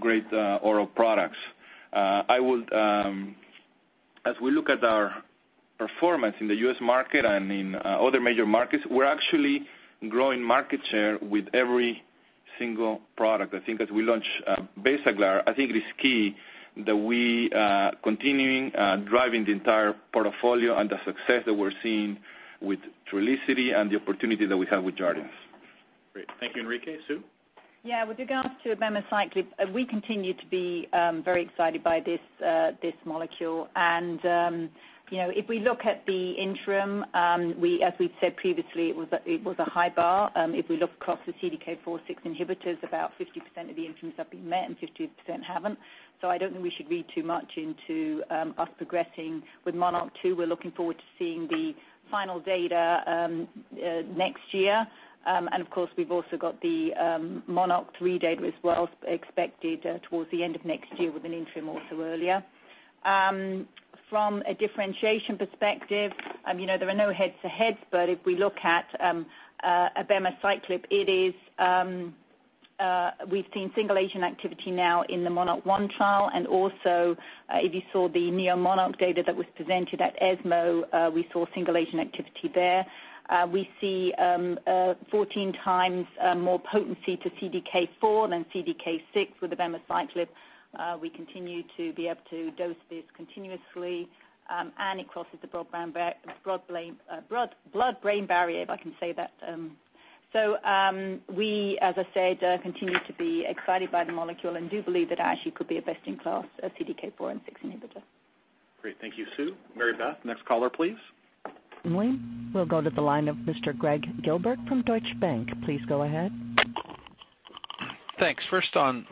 great oral products. As we look at our performance in the U.S. market and in other major markets, we're actually growing market share with every single product. I think as we launch Basaglar, I think it is key that we continuing driving the entire portfolio and the success that we're seeing with Trulicity and the opportunity that we have with Jardiance. Great. Thank you, Enrique. Sue? Yeah. With regards to abemaciclib, we continue to be very excited by this molecule. If we look at the interim, as we've said previously, it was a high bar. If we look across the CDK4/6 inhibitors, about 50% of the interims have been met and 50% haven't. I don't think we should read too much into us progressing with MONARCH 2. We're looking forward to seeing the final data next year. Of course, we've also got the MONARCH 3 data as well, expected towards the end of next year with an interim also earlier. From a differentiation perspective, there are no head-to-heads, but if we look at abemaciclib, we've seen single-agent activity now in the MONARCH 1 trial, and also if you saw the neoMONARCH data that was presented at ESMO, we saw single-agent activity there. We see 14 times more potency to CDK4 than CDK6 with abemaciclib. We continue to be able to dose this continuously. It crosses the blood-brain barrier, if I can say that. We, as I said, continue to be excited by the molecule and do believe that it actually could be a best-in-class CDK4 and 6 inhibitor. Great. Thank you, Sue. Mary Beth, next caller, please. we'll go to the line of Mr. Gregg Gilbert from Deutsche Bank. Please go ahead. Thanks. First on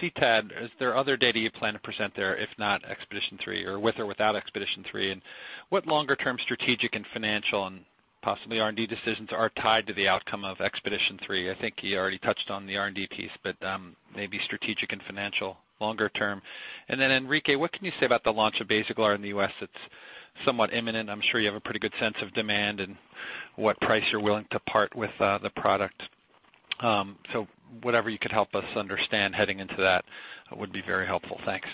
CTAD, is there other data you plan to present there, if not EXPEDITION3 or with or without EXPEDITION3? What longer-term strategic and financial and possibly R&D decisions are tied to the outcome of EXPEDITION3? I think you already touched on the R&D piece, but maybe strategic and financial longer term. Then Enrique, what can you say about the launch of Basaglar in the U.S.? It's somewhat imminent. I'm sure you have a pretty good sense of demand and what price you're willing to part with the product. Whatever you could help us understand heading into that would be very helpful. Thanks.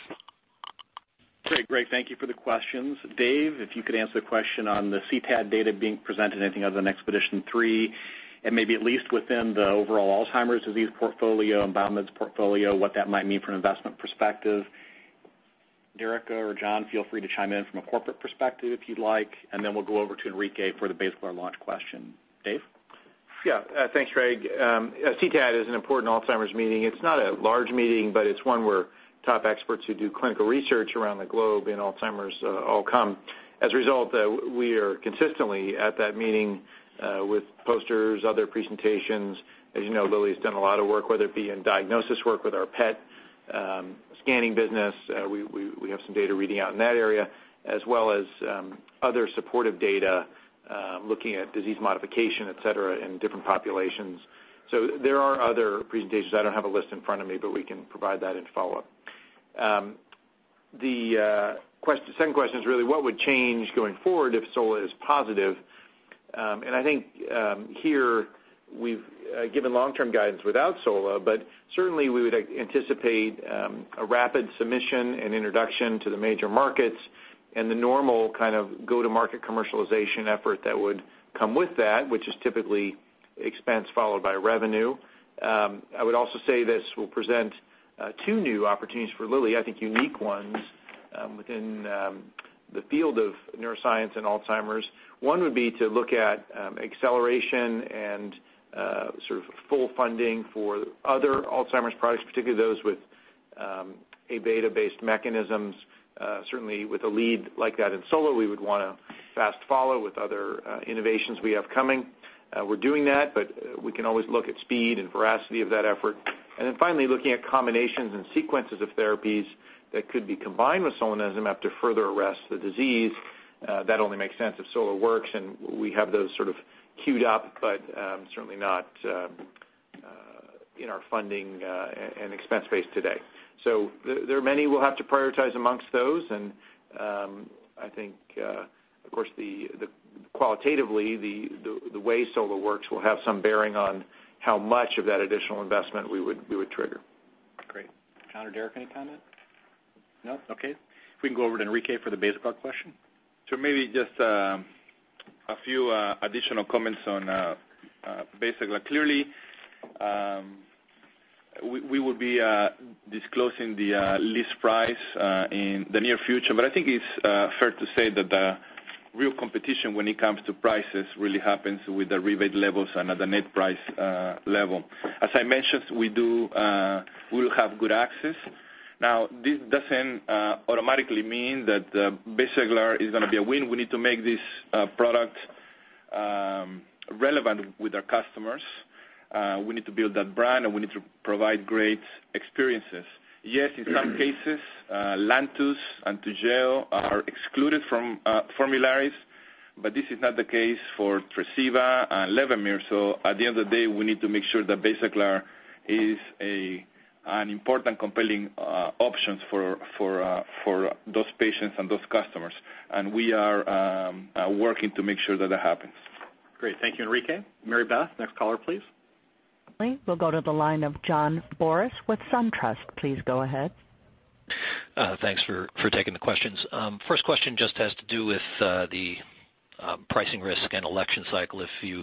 Okay, great. Thank you for the questions. Dave, if you could answer the question on the CTAD data being presented, anything other than EXPEDITION3, and maybe at least within the overall Alzheimer's disease portfolio and Bio-Med's portfolio, what that might mean from an investment perspective. Derek or John, feel free to chime in from a corporate perspective if you'd like, and then we'll go over to Enrique for the Basaglar launch question. Dave? Yeah. Thanks, Greg. CTAD is an important Alzheimer's meeting. It's not a large meeting, but it's one where top experts who do clinical research around the globe in Alzheimer's all come. As a result, we are consistently at that meeting, with posters, other presentations. As you know, Lilly has done a lot of work, whether it be in diagnosis work with our PET scanning business, we have some data reading out in that area, as well as other supportive data, looking at disease modification, et cetera, in different populations. There are other presentations. I don't have a list in front of me, but we can provide that in follow-up. The second question is really what would change going forward if sola is positive? I think, here we've given long-term guidance without sola, but certainly we would anticipate a rapid submission and introduction to the major markets and the normal kind of go-to-market commercialization effort that would come with that, which is typically expense followed by revenue. I would also say this will present two new opportunities for Lilly, I think unique ones, within the field of neuroscience and Alzheimer's. One would be to look at acceleration and sort of full funding for other Alzheimer's products, particularly those with A-beta-based mechanisms. Certainly, with a lead like that in SOLA, we would want to fast follow with other innovations we have coming. We're doing that, but we can always look at speed and veracity of that effort. Then finally, looking at combinations and sequences of therapies that could be combined with solanezumab to further arrest the disease. That only makes sense if SOLA works and we have those sort of queued up, but certainly not in our funding and expense base today. There are many we'll have to prioritize amongst those, and I think, of course, qualitatively, the way SOLA works will have some bearing on how much of that additional investment we would trigger. Great. John, Derica, any comment? No? Okay. We can go over to Enrique for the Basaglar question. Maybe just a few additional comments on Basaglar. Clearly, we will be disclosing the list price in the near future, but I think it's fair to say that the real competition when it comes to prices really happens with the rebate levels and at the net price level. As I mentioned, we will have good access. This doesn't automatically mean that Basaglar is going to be a win. We need to make this product relevant with our customers. We need to build that brand, and we need to provide great experiences. Yes, in some cases, Lantus and Toujeo are excluded from formularies, but this is not the case for Tresiba and Levemir. At the end of the day, we need to make sure that Basaglar is an important compelling option for those patients and those customers. We are working to make sure that that happens. Great. Thank you, Enrique. Mary Beth, next caller, please. We'll go to the line of John Boris with SunTrust. Please go ahead. Thanks for taking the questions. First question just has to do with the pricing risk and election cycle. If you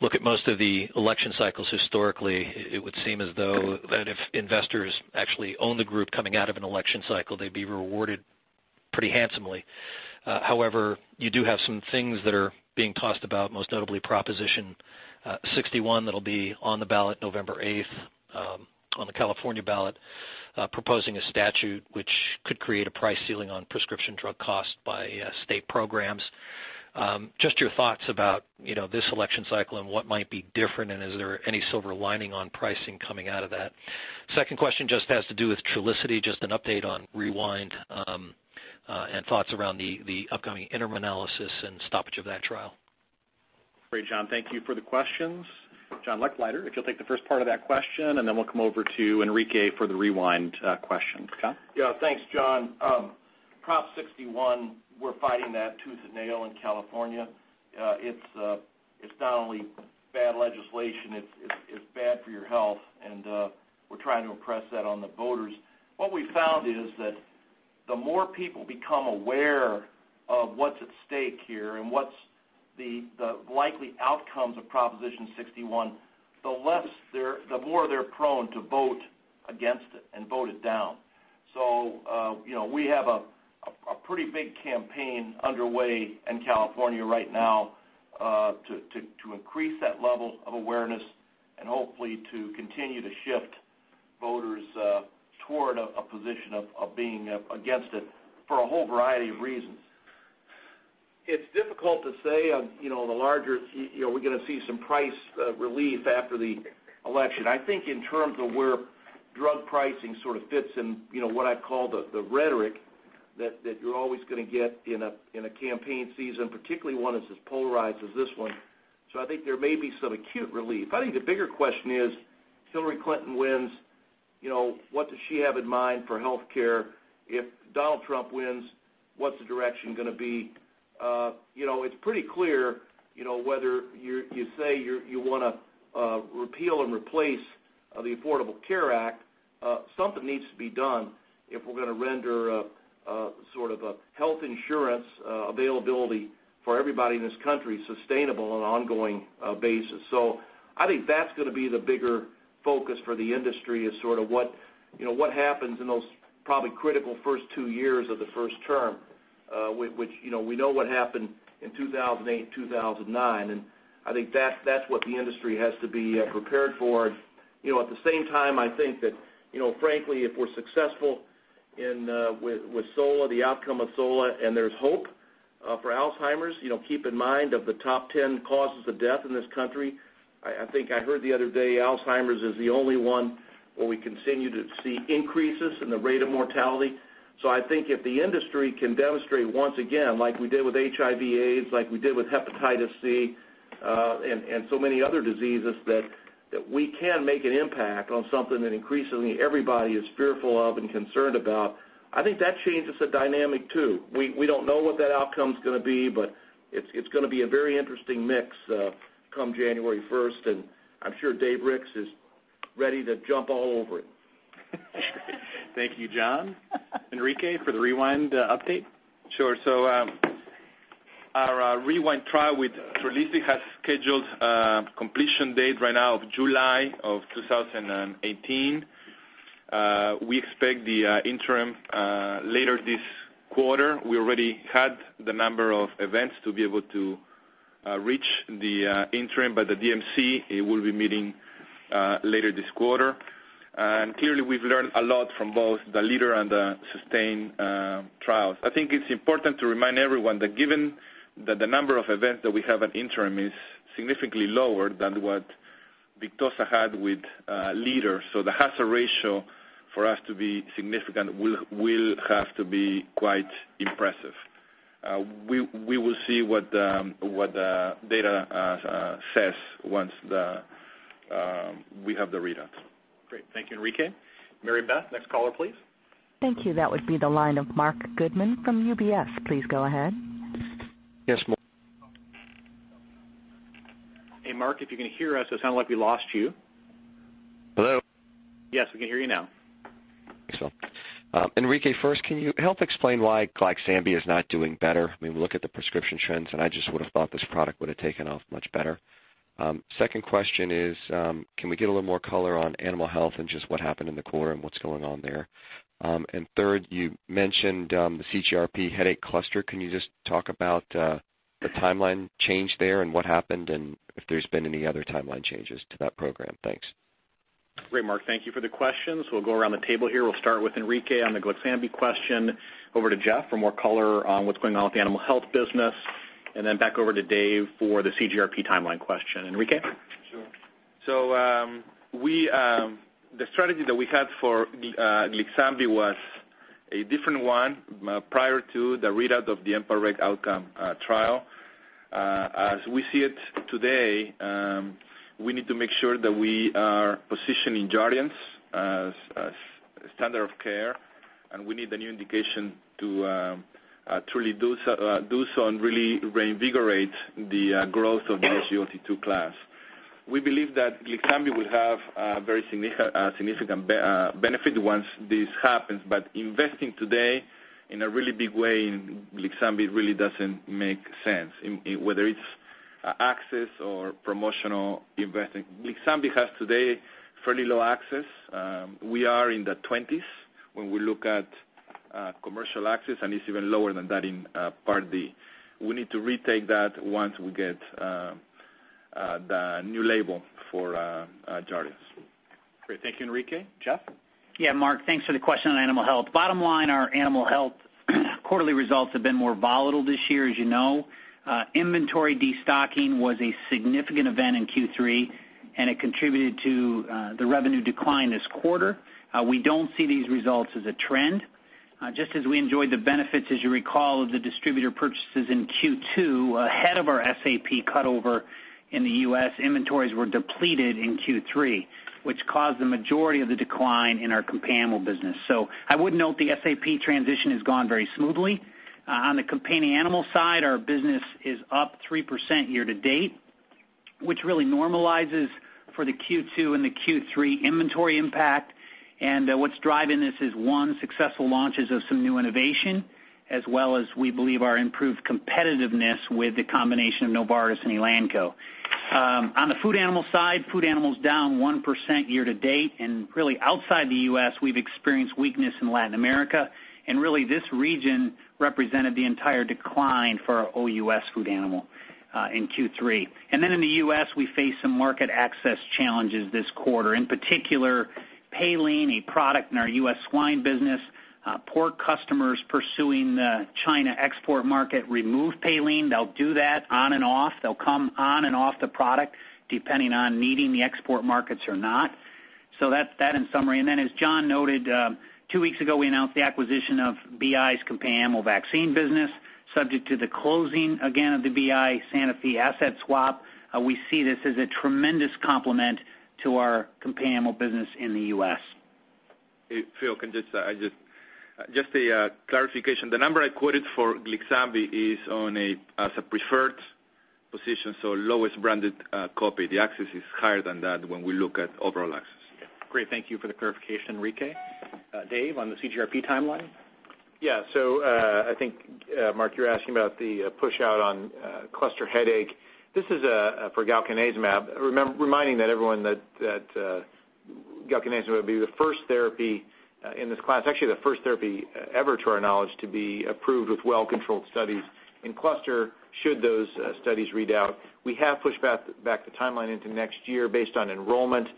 look at most of the election cycles historically, it would seem as though that if investors actually own the group coming out of an election cycle, they'd be rewarded pretty handsomely. However, you do have some things that are being tossed about, most notably Proposition 61 that'll be on the ballot November 8th, on the California ballot, proposing a statute which could create a price ceiling on prescription drug costs by state programs. Just your thoughts about this election cycle and what might be different, and is there any silver lining on pricing coming out of that? Second question just has to do with Trulicity, just an update on REWIND, and thoughts around the upcoming interim analysis and stoppage of that trial. Great, John. Thank you for the questions. John Lechleiter, if you'll take the first part of that question, and then we'll come over to Enrique for the REWIND question. John? Yeah. Thanks, John. Prop 61, we're fighting that tooth and nail in California. It's not only bad legislation, it's bad for your health, and we're trying to impress that on the voters. What we've found is that the more people become aware of what's at stake here and what's the likely outcomes of Proposition 61, the more they're prone to vote against it and vote it down. We have a pretty big campaign underway in California right now to increase that level of awareness and hopefully to continue to shift voters toward a position of being against it for a whole variety of reasons. It's difficult to say on the larger, are we going to see some price relief after the election? I think in terms of where drug pricing sort of fits in what I call the rhetoric that you're always going to get in a campaign season, particularly one as polarized as this one. I think there may be some acute relief. I think the bigger question is, Hillary Clinton wins, what does she have in mind for healthcare? If Donald Trump wins, what's the direction going to be? It's pretty clear, whether you say you want to repeal and replace the Affordable Care Act, something needs to be done if we're going to render a sort of a health insurance availability for everybody in this country sustainable on an ongoing basis. I think that's going to be the bigger focus for the industry is sort of what happens in those probably critical first two years of the first term. which we know what happened in 2008 and 2009. I think that's what the industry has to be prepared for. At the same time, I think that, frankly, if we're successful with sola, the outcome of sola, and there's hope for Alzheimer's, keep in mind, of the top 10 causes of death in this country, I think I heard the other day, Alzheimer's is the only one where we continue to see increases in the rate of mortality. I think if the industry can demonstrate once again, like we did with HIV/AIDS, like we did with hepatitis C, and so many other diseases, that we can make an impact on something that increasingly everybody is fearful of and concerned about, I think that changes the dynamic, too. We don't know what that outcome's going to be. It's going to be a very interesting mix come January 1st. I'm sure Dave Ricks is ready to jump all over it. Thank you, John. Enrique, for the REWIND update? Sure. Our REWIND trial with Trulicity has scheduled completion date right now of July of 2018. We expect the interim later this quarter. We already had the number of events to be able to reach the interim, but the DMC will be meeting later this quarter. Clearly, we've learned a lot from both the LEADER and the SUSTAIN trials. I think it's important to remind everyone that given that the number of events that we have at interim is significantly lower than what Victoza had with LEADER. The hazard ratio for us to be significant will have to be quite impressive. We will see what the data says once we have the readouts. Great. Thank you, Enrique. Mary Beth, next caller, please. Thank you. That would be the line of Marc Goodman from UBS. Please go ahead. Yes, Marc. Hey, Marc, if you can hear us, it sounded like we lost you. Hello. Yes, we can hear you now. Thanks. Enrique, first, can you help explain why Glyxambi is not doing better? We look at the prescription trends, I just would've thought this product would've taken off much better. Second question is, can we get a little more color on animal health and just what happened in the quarter and what's going on there? Third, you mentioned the CGRP headache cluster. Can you just talk about the timeline change there and what happened and if there's been any other timeline changes to that program? Thanks. Great, Marc. Thank you for the questions. We'll go around the table here. We'll start with Enrique on the Glyxambi question, over to Jeff for more color on what's going on with the animal health business, then back over to Dave for the CGRP timeline question. Enrique? Sure. The strategy that we had for the Glyxambi was a different one prior to the readout of the EMPA-REG OUTCOME trial. As we see it today, we need to make sure that we are positioning Jardiance as standard of care, we need a new indication to truly do so and really reinvigorate the growth of the SGLT2 class. We believe that Glyxambi will have a very significant benefit once this happens, investing today in a really big way in Glyxambi really doesn't make sense, whether it's access or promotional investing. Glyxambi has today fairly low access. We are in the 20s when we look at commercial access, and it's even lower than that in Part D. We need to retake that once we get the new label for Jardiance. Great. Thank you, Enrique. Jeff? Yeah, Marc, thanks for the question on animal health. Bottom line, our animal health quarterly results have been more volatile this year, as you know. Inventory destocking was a significant event in Q3, and it contributed to the revenue decline this quarter. We don't see these results as a trend. Just as we enjoyed the benefits, as you recall, of the distributor purchases in Q2 ahead of our SAP cutover in the U.S., inventories were depleted in Q3, which caused the majority of the decline in our companion animal business. I would note the SAP transition has gone very smoothly. On the companion animal side, our business is up 3% year to date, which really normalizes for the Q2 and the Q3 inventory impact. What's driving this is, one, successful launches of some new innovation, as well as we believe our improved competitiveness with the combination of Novartis and Elanco. On the food animal side, food animal's down 1% year to date. Really outside the U.S., we've experienced weakness in Latin America. This region represented the entire decline for OUS food animal in Q3. In the U.S., we faced some market access challenges this quarter. In particular, Paylean, a product in our U.S. swine business. Pork customers pursuing the China export market removed Paylean. They'll do that on and off. They'll come on and off the product depending on needing the export markets or not. That's that in summary. As John noted, two weeks ago, we announced the acquisition of BI's companion animal vaccine business, subject to the closing again of the BI-Sanofi asset swap. We see this as a tremendous complement to our companion animal business in the U.S. Phil, just a clarification. The number I quoted for Glyxambi is as a preferred position, so lowest branded co-pay. The access is higher than that when we look at overall access. Yeah. Great. Thank you for the clarification, Enrique. Dave, on the CGRP timeline? Yeah. I think, Marc, you're asking about the push-out on cluster headache. This is for galcanezumab. Reminding everyone that galcanezumab would be the first therapy in this class, actually the first therapy ever, to our knowledge, to be approved with well-controlled studies in cluster, should those studies read out. We have pushed back the timeline into next year based on enrollment.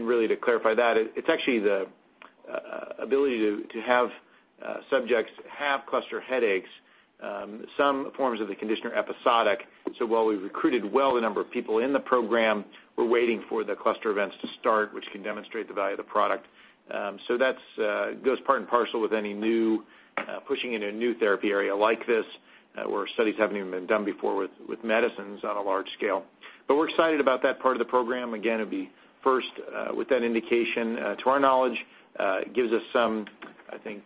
Really to clarify that, it's actually the ability to have subjects have cluster headaches. Some forms of the condition are episodic. While we've recruited well the number of people in the program, we're waiting for the cluster events to start, which can demonstrate the value of the product. That goes part and parcel with pushing into a new therapy area like this, where studies haven't even been done before with medicines on a large scale. We're excited about that part of the program. Again, it'd be first with that indication. To our knowledge, it gives us some, I think,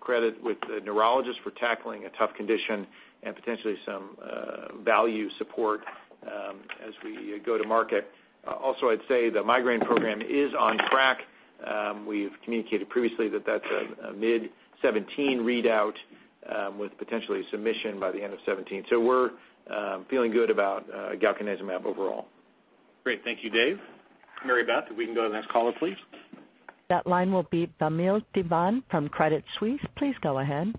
credit with the neurologists for tackling a tough condition and potentially some value support as we go to market. Also, I'd say the migraine program is on track. We've communicated previously that's a mid 2017 readout with potential submission by the end of 2017. We're feeling good about galcanezumab overall. Great. Thank you, Dave. Mary Beth, if we can go to the next caller, please. That line will be Vamil Divan from Credit Suisse. Please go ahead.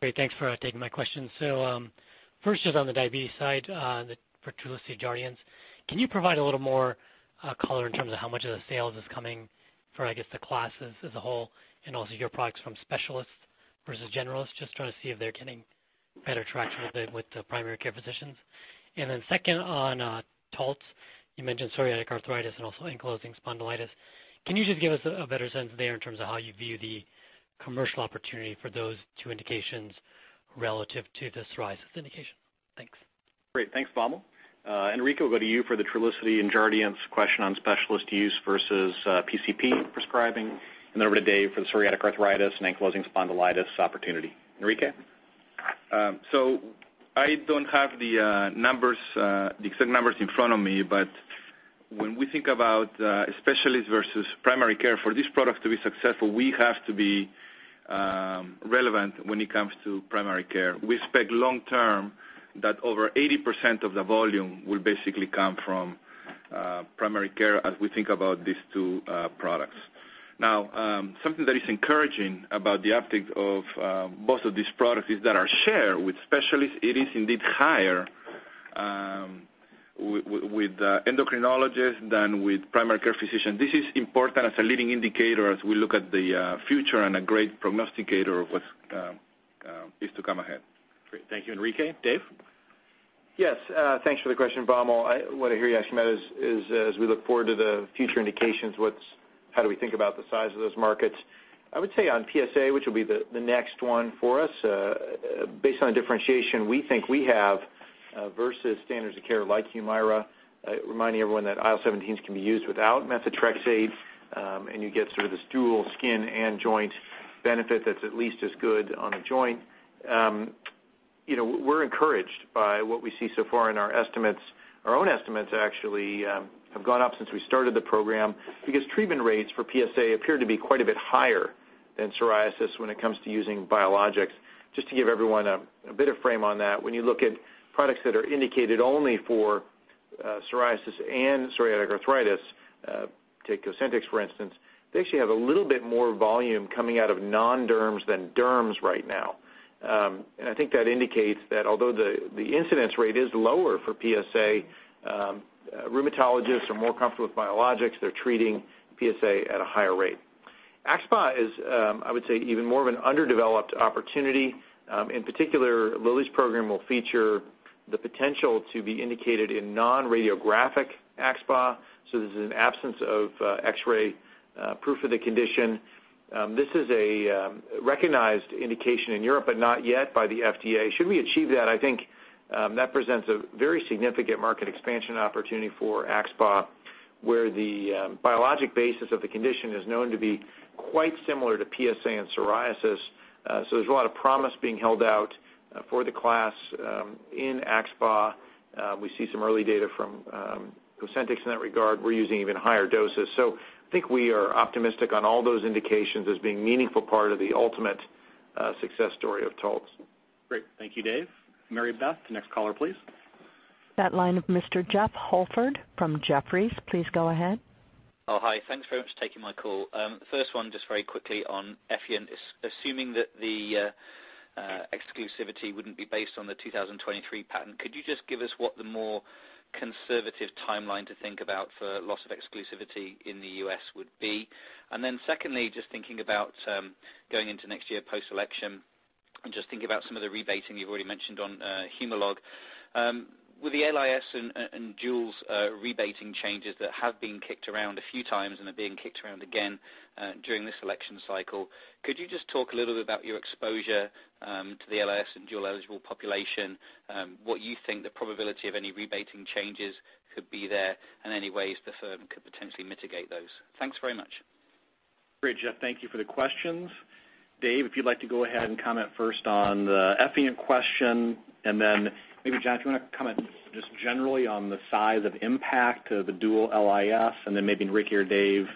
Great. Thanks for taking my question. First, just on the diabetes side for Trulicity, Jardiance, can you provide a little more color in terms of how much of the sales is coming for, I guess, the classes as a whole and also your products from specialists versus generalists? Just trying to see if they're getting better traction with the primary care physicians. Second, on TALTZ, you mentioned psoriatic arthritis and also ankylosing spondylitis. Can you just give us a better sense there in terms of how you view the commercial opportunity for those two indications relative to the psoriasis indication? Thanks. Great. Thanks, Vamil. Enrique, we'll go to you for the Trulicity and Jardiance question on specialist use versus PCP prescribing, and then over to Dave for the psoriatic arthritis and ankylosing spondylitis opportunity. Enrique? I don't have the exact numbers in front of me, but when we think about specialists versus primary care for this product to be successful, we have to be relevant when it comes to primary care. We expect long term that over 80% of the volume will basically come from primary care as we think about these two products. Now, something that is encouraging about the uptick of both of these products is that our share with specialists is indeed higher with endocrinologists than with primary care physicians. This is important as a leading indicator as we look at the future and a great prognosticator of what's is to come ahead. Great. Thank you, Enrique. Dave? Yes. Thanks for the question, Vamil. What I hear you asking about is, as we look forward to the future indications, how do we think about the size of those markets? I would say on PSA, which will be the next one for us, based on differentiation we think we have versus standards of care like Humira, reminding everyone that IL-17s can be used without methotrexate, and you get sort of this dual skin and joint benefit that's at least as good on a joint. We're encouraged by what we see so far in our estimates. Our own estimates actually have gone up since we started the program because treatment rates for PSA appear to be quite a bit higher than psoriasis when it comes to using biologics. Just to give everyone a bit of frame on that, when you look at products that are indicated only for psoriasis and psoriatic arthritis, take Cosentyx, for instance, they actually have a little bit more volume coming out of non-derms than derms right now. I think that indicates that although the incidence rate is lower for PSA, rheumatologists are more comfortable with biologics. They're treating PSA at a higher rate. axSpA is, I would say, even more of an underdeveloped opportunity. In particular, Lilly's program will feature the potential to be indicated in non-radiographic axSpA, so this is an absence of X-ray proof of the condition. This is a recognized indication in Europe, but not yet by the FDA. Should we achieve that, I think that presents a very significant market expansion opportunity for axSpA, where the biologic basis of the condition is known to be quite similar to PSA and psoriasis. There's a lot of promise being held out for the class in axSpA. We see some early data from Cosentyx in that regard. We're using even higher doses. I think we are optimistic on all those indications as being a meaningful part of the ultimate success story of TALTZ. Great. Thank you, Dave. Mary Beth, next caller, please. That line of Mr. Jeff Holford from Jefferies, please go ahead. Hi. Thanks very much for taking my call. First one, just very quickly on Effient. Assuming that the exclusivity wouldn't be based on the 2023 patent, could you just give us what the more conservative timeline to think about for loss of exclusivity in the U.S. would be? Secondly, just thinking about going into next year post-election and just thinking about some of the rebating you've already mentioned on Humalog. With the LIS and duals rebating changes that have been kicked around a few times and are being kicked around again during this election cycle, could you just talk a little bit about your exposure to the LIS and dual-eligible population, what you think the probability of any rebating changes could be there, and any ways the firm could potentially mitigate those? Thanks very much. Great, Jeff. Thank you for the questions. Dave, if you'd like to go ahead and comment first on the Effient question, then maybe, Jeff, do you want to comment just generally on the size of impact of the dual LIS, then maybe Enrique or Dave,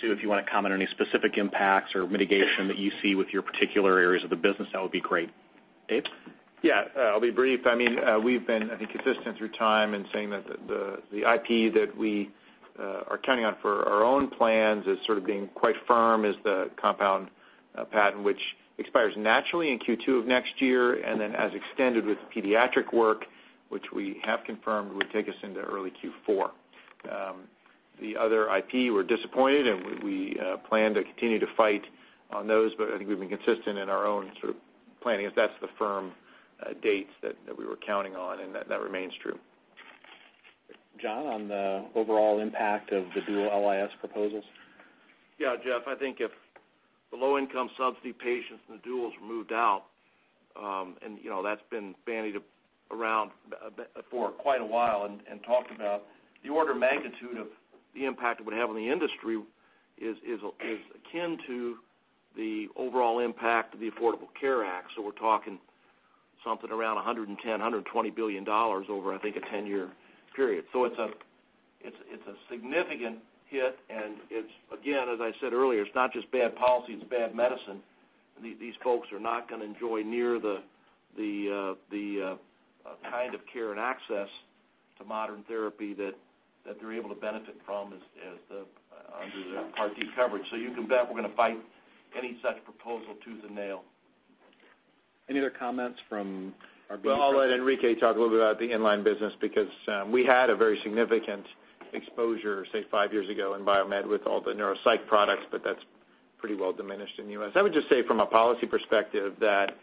Sue, if you want to comment on any specific impacts or mitigation that you see with your particular areas of the business, that would be great. Dave? Yeah. I'll be brief. We've been, I think, consistent through time in saying that the IP that we are counting on for our own plans as sort of being quite firm is the compound patent, which expires naturally in Q2 of next year, then as extended with the pediatric work, which we have confirmed will take us into early Q4. The other IP, we're disappointed, we plan to continue to fight on those, I think we've been consistent in our own sort of planning, as that's the firm dates that we were counting on, that remains true. John, on the overall impact of the dual LIS proposals? Yeah, Jeff, I think if the low-income subsidy patients and the duals were moved out, that's been bandied around for quite a while and talked about. The order of magnitude of the impact it would have on the industry is akin to the overall impact of the Affordable Care Act. We're talking something around $110 billion, $120 billion over, I think, a 10-year period. It's a significant hit, it's, again, as I said earlier, it's not just bad policy, it's bad medicine. These folks are not going to enjoy near the kind of care and access to modern therapy that they're able to benefit from under the Part D coverage. You can bet we're going to fight any such proposal tooth and nail. Any other comments from our Well, I'll let Enrique talk a little bit about the inline business because we had a very significant exposure, say, five years ago in biomed with all the neuropsych products, but that's pretty well diminished in the U.S. I would just say from a policy perspective that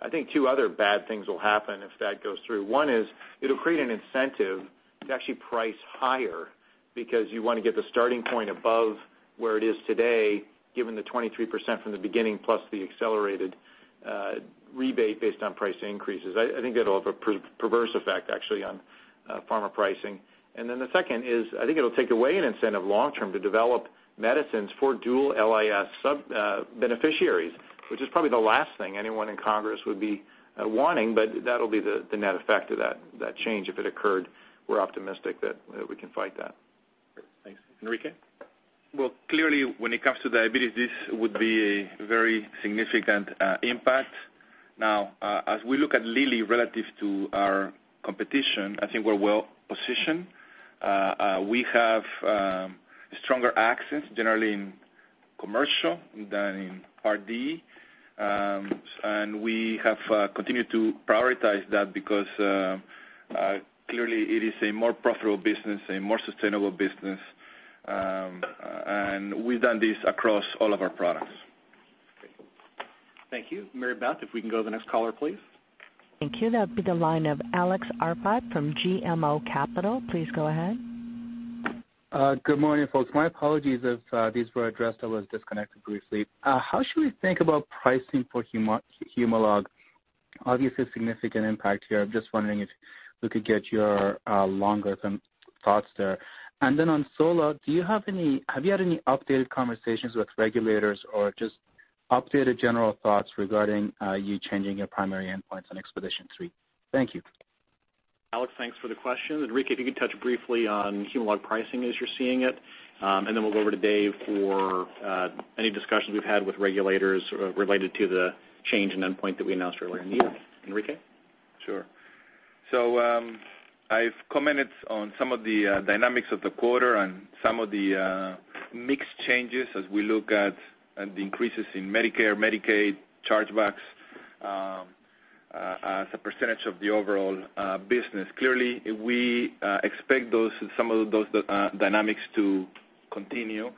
I think two other bad things will happen if that goes through. One is it'll create an incentive to actually price higher because you want to get the starting point above where it is today, given the 23% from the beginning, plus the accelerated rebate based on price increases. I think it'll have a perverse effect, actually, on pharma pricing. The second is, I think it'll take away an incentive long-term to develop medicines for dual LIS sub beneficiaries, which is probably the last thing anyone in Congress would be wanting, but that'll be the net effect of that change if it occurred. We're optimistic that we can fight that. Great. Thanks. Enrique? Well, clearly, when it comes to diabetes, this would be a very significant impact. As we look at Lilly relative to our competition, I think we're well-positioned. We have stronger access, generally in commercial than in Part D. We have continued to prioritize that because clearly it is a more profitable business, a more sustainable business. We've done this across all of our products. Thank you. Mary Beth, if we can go to the next caller, please. Thank you. That'll be the line of Alex Arpad from GMO Capital. Please go ahead. Good morning, folks. My apologies if these were addressed. I was disconnected briefly. How should we think about pricing for Humalog? Obviously a significant impact here. I'm just wondering if we could get your longer-term thoughts there. Then on solanezumab, have you had any updated conversations with regulators or just updated general thoughts regarding you changing your primary endpoints on EXPEDITION3? Thank you. Alex, thanks for the question. Enrique, if you could touch briefly on Humalog pricing as you're seeing it, then we'll go over to Dave for any discussions we've had with regulators related to the change in endpoint that we announced earlier in the year. Enrique? Sure. I've commented on some of the dynamics of the quarter and some of the mix changes as we look at the increases in Medicare, Medicaid, chargebacks as a percentage of the overall business. Clearly, we expect some of those dynamics to continue.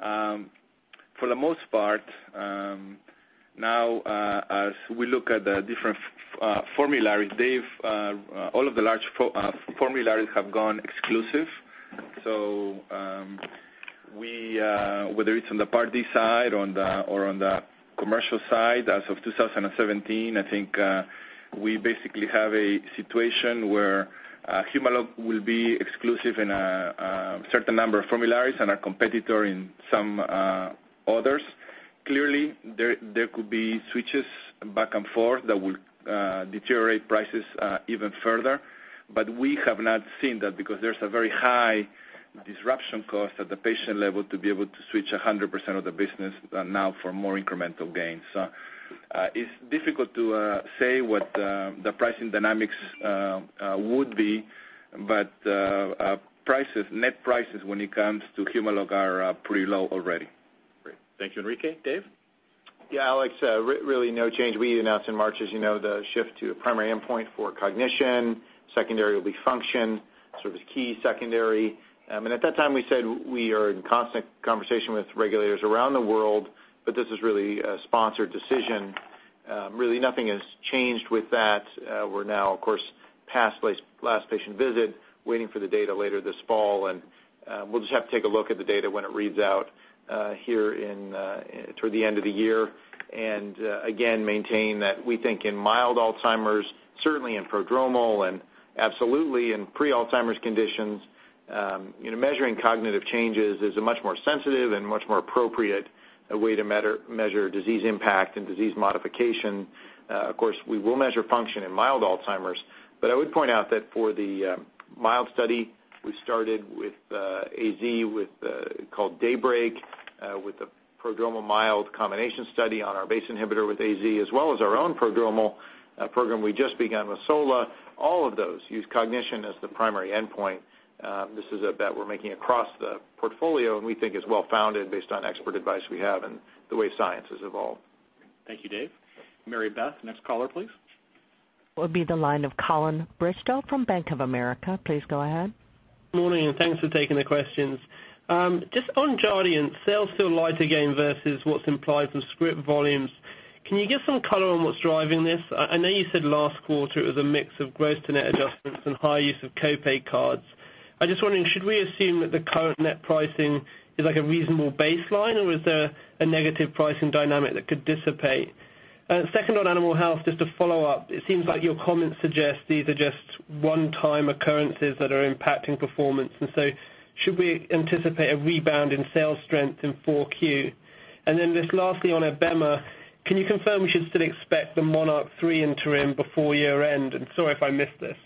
For the most part, now as we look at the different formularies, Dave, all of the large formularies have gone exclusive. Whether it's on the Part D side or on the commercial side, as of 2017, I think we basically have a situation where Humalog will be exclusive in a certain number of formularies and our competitor in some others. Clearly, there could be switches back and forth that will deteriorate prices even further. We have not seen that because there's a very high disruption cost at the patient level to be able to switch 100% of the business now for more incremental gains. It's difficult to say what the pricing dynamics would be, net prices when it comes to Humalog are pretty low already. Great. Thank you, Enrique. Dave? Yeah, Alex, really no change. We announced in March, as you know, the shift to a primary endpoint for cognition. Secondary will be function, sort of key secondary. At that time, we said we are in constant conversation with regulators around the world, this is really a sponsored decision. Really nothing has changed with that. We're now, of course, past last patient visit, waiting for the data later this fall, we'll just have to take a look at the data when it reads out here toward the end of the year. Again, maintain that we think in mild Alzheimer's, certainly in prodromal and absolutely in pre-Alzheimer's conditions Measuring cognitive changes is a much more sensitive and much more appropriate way to measure disease impact and disease modification. Of course, we will measure function in mild Alzheimer's, I would point out that for the mild study, we started with AZ, called DAYBREAK-ALZ, with a prodromal mild combination study on our BACE inhibitor with AZ, as well as our own prodromal program we just began with Sola. All of those use cognition as the primary endpoint. This is a bet we're making across the portfolio, we think is well-founded based on expert advice we have and the way science has evolved. Thank you, Dave. Mary Beth, next caller, please. Will be the line of Colin Bristow from Bank of America. Please go ahead. Morning. Thanks for taking the questions. Just on Jardiance, sales feel light again versus what's implied from script volumes. Can you give some color on what's driving this? I know you said last quarter it was a mix of gross to net adjustments and high use of co-pay cards. I'm just wondering, should we assume that the current net pricing is a reasonable baseline, or is there a negative pricing dynamic that could dissipate? Second, on animal health, just to follow up, it seems like your comments suggest these are just one-time occurrences that are impacting performance. Should we anticipate a rebound in sales strength in 4Q? Lastly on abemaciclib, can you confirm we should still expect the MONARCH 3 interim before year-end? Sorry if I missed this.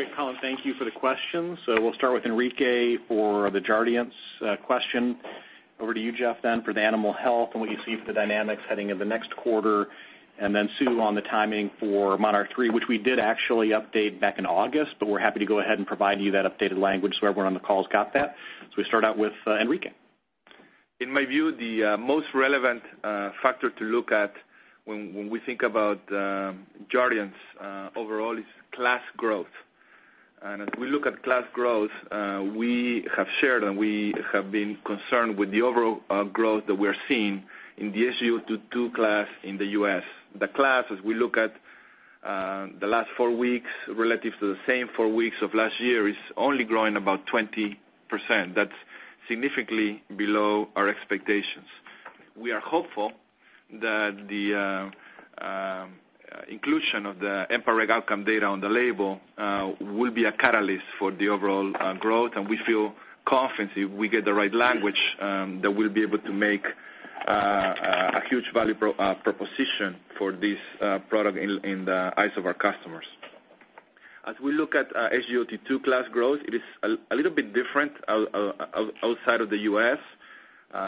Thanks. Great, Colin. Thank you for the questions. We'll start with Enrique for the Jardiance question. Over to you, Jeff, then for the animal health and what you see for the dynamics heading into the next quarter. Sue on the timing for MONARCH 3, which we did actually update back in August, but we're happy to go ahead and provide you that updated language so everyone on the call's got that. We start out with Enrique. In my view, the most relevant factor to look at when we think about Jardiance overall is class growth. As we look at class growth, we have shared and we have been concerned with the overall growth that we're seeing in the SGLT2 class in the U.S. The class, as we look at the last four weeks relative to the same four weeks of last year, is only growing about 20%. That's significantly below our expectations. We are hopeful that the inclusion of the EMPA-REG OUTCOME data on the label will be a catalyst for the overall growth. We feel confident if we get the right language, that we'll be able to make a huge value proposition for this product in the eyes of our customers. As we look at SGLT2 class growth, it is a little bit different outside of the U.S.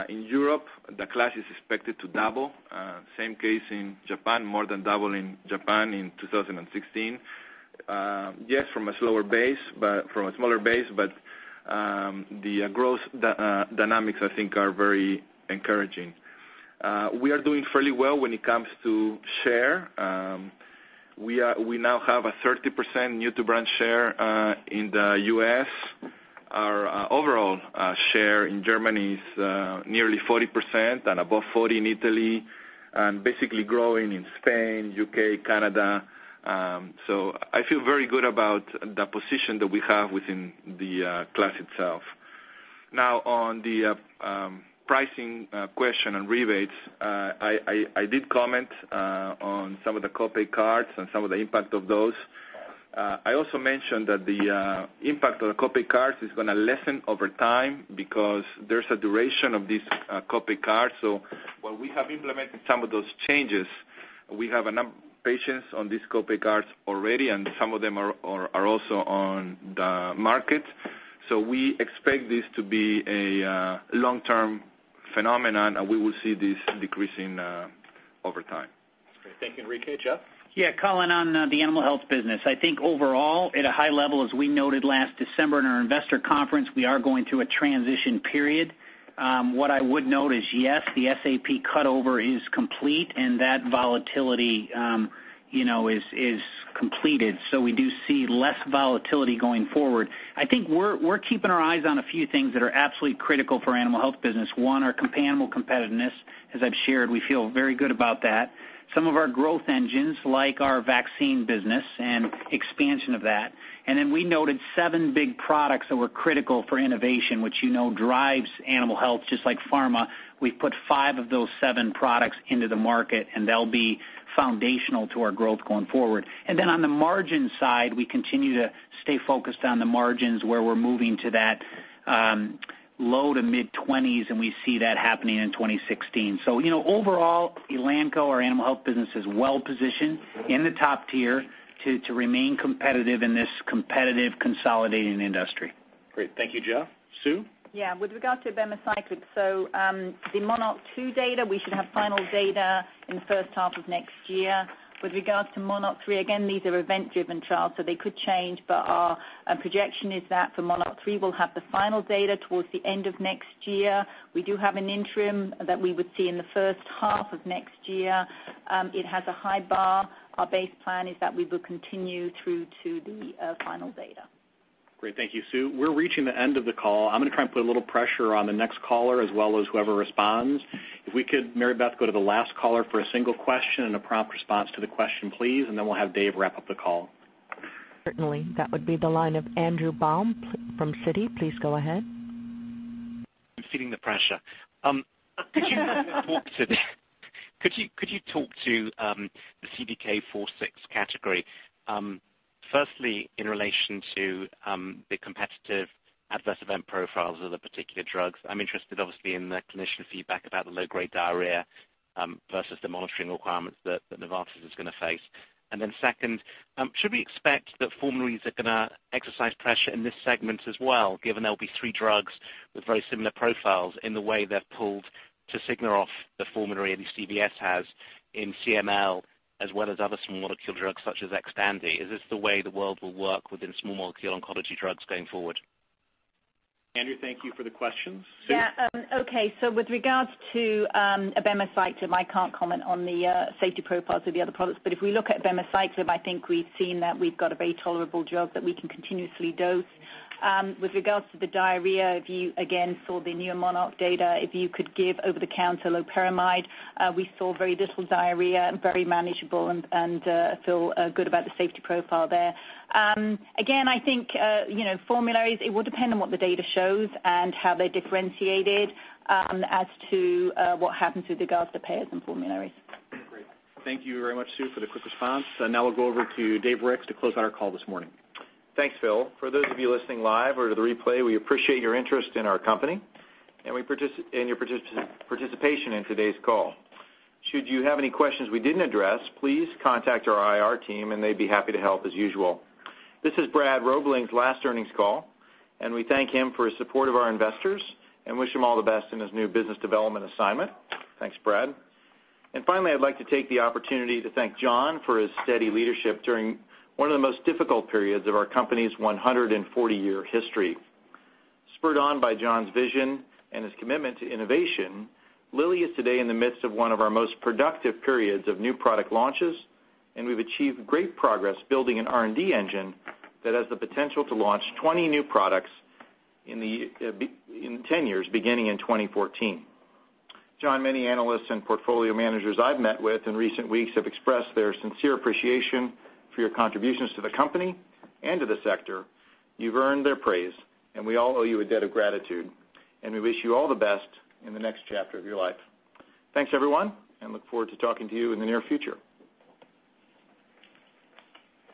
In Europe, the class is expected to double. Same case in Japan, more than double in Japan in 2016. Yes, from a smaller base, but the growth dynamics I think are very encouraging. We are doing fairly well when it comes to share. We now have a 30% new-to-brand share in the U.S. Our overall share in Germany is nearly 40% and above 40 in Italy, basically growing in Spain, U.K., Canada. I feel very good about the position that we have within the class itself. Now on the pricing question on rebates, I did comment on some of the co-pay cards and some of the impact of those. I also mentioned that the impact of the co-pay cards is going to lessen over time because there's a duration of these co-pay cards. While we have implemented some of those changes, we have patients on these co-pay cards already, and some of them are also on the market. We expect this to be a long-term phenomenon, and we will see this decreasing over time. Great. Thank you, Enrique. Jeff? Yeah, Colin, on the animal health business, I think overall, at a high level, as we noted last December in our investor conference, we are going through a transition period. What I would note is, yes, the SAP cutover is complete and that volatility is completed. We do see less volatility going forward. I think we're keeping our eyes on a few things that are absolutely critical for animal health business. One, our comparable competitiveness, as I've shared, we feel very good about that. Some of our growth engines, like our vaccine business and expansion of that. We noted seven big products that were critical for innovation, which you know drives animal health, just like pharma. We've put five of those seven products into the market, and they'll be foundational to our growth going forward. On the margin side, we continue to stay focused on the margins where we're moving to that low to mid-20s, and we see that happening in 2016. Overall, Elanco, our animal health business, is well positioned in the top tier to remain competitive in this competitive, consolidating industry. Great. Thank you, Jeff. Sue? Yeah. With regard to abemaciclib, so the MONARCH 2 data, we should have final data in the first half of next year. With regards to MONARCH 3, again, these are event-driven trials, so they could change, but our projection is that for MONARCH 3, we'll have the final data towards the end of next year. We do have an interim that we would see in the first half of next year. It has a high bar. Our base plan is that we will continue through to the final data. Great. Thank you, Sue. We're reaching the end of the call. I'm going to try and put a little pressure on the next caller as well as whoever responds. If we could, Mary Beth, go to the last caller for a single question and a prompt response to the question, please, and then we'll have Dave wrap up the call. Certainly. That would be the line of Andrew Baum from Citi. Please go ahead. I'm feeling the pressure. Could you talk to the CDK4/6 category, firstly, in relation to the competitive adverse event profiles of the particular drugs? I'm interested, obviously, in the clinician feedback about the low-grade diarrhea versus the monitoring requirements that Novartis is going to face. Second, should we expect that formularies are going to exercise pressure in this segment as well, given there'll be three drugs with very similar profiles in the way they've pulled to signal off the formulary, at least CVS has, in CML as well as other small molecule drugs such as Xtandi? Is this the way the world will work within small molecule oncology drugs going forward? Andrew, thank you for the question. Sue? Yeah. Okay. With regards to abemaciclib, I can't comment on the safety profiles of the other products. If we look at abemaciclib, I think we've seen that we've got a very tolerable drug that we can continuously dose. With regards to the diarrhea, if you, again, saw the neoMONARCH data, if you could give over-the-counter loperamide, we saw very little diarrhea and very manageable and feel good about the safety profile there. Again, I think formularies, it will depend on what the data shows and how they're differentiated as to what happens with regards to payers and formularies. Great. Thank you very much, Sue, for the quick response. Now we'll go over to Dave Ricks to close out our call this morning. Thanks, Phil. For those of you listening live or to the replay, we appreciate your interest in our company and your participation in today's call. Should you have any questions we didn't address, please contact our IR team and they'd be happy to help as usual. This is Brad Robling's last earnings call. We thank him for his support of our investors and wish him all the best in his new business development assignment. Thanks, Brad. Finally, I'd like to take the opportunity to thank John for his steady leadership during one of the most difficult periods of our company's 140-year history. Spurred on by John's vision and his commitment to innovation, Lilly is today in the midst of one of our most productive periods of new product launches, and we've achieved great progress building an R&D engine that has the potential to launch 20 new products in 10 years, beginning in 2014. John, many analysts and portfolio managers I've met with in recent weeks have expressed their sincere appreciation for your contributions to the company and to the sector. You've earned their praise, and we all owe you a debt of gratitude, and we wish you all the best in the next chapter of your life. Thanks, everyone, and look forward to talking to you in the near future.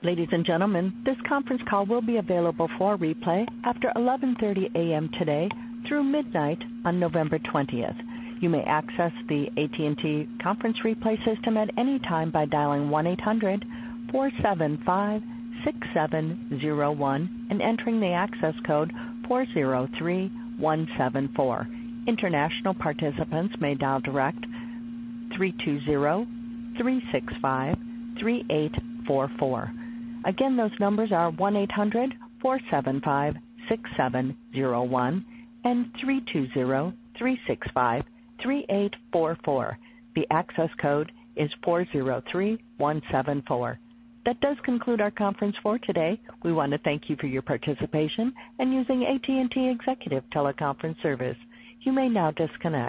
Ladies and gentlemen, this conference call will be available for replay after 11:30 A.M. today through midnight on November 20th. You may access the AT&T conference replay system at any time by dialing 1-800-475-6701 and entering the access code 403174. International participants may dial direct 3203653844. Those numbers are 1-800-475-6701 and 3203653844. The access code is 403174. That does conclude our conference for today. We want to thank you for your participation and using AT&T Executive Teleconference service. You may now disconnect.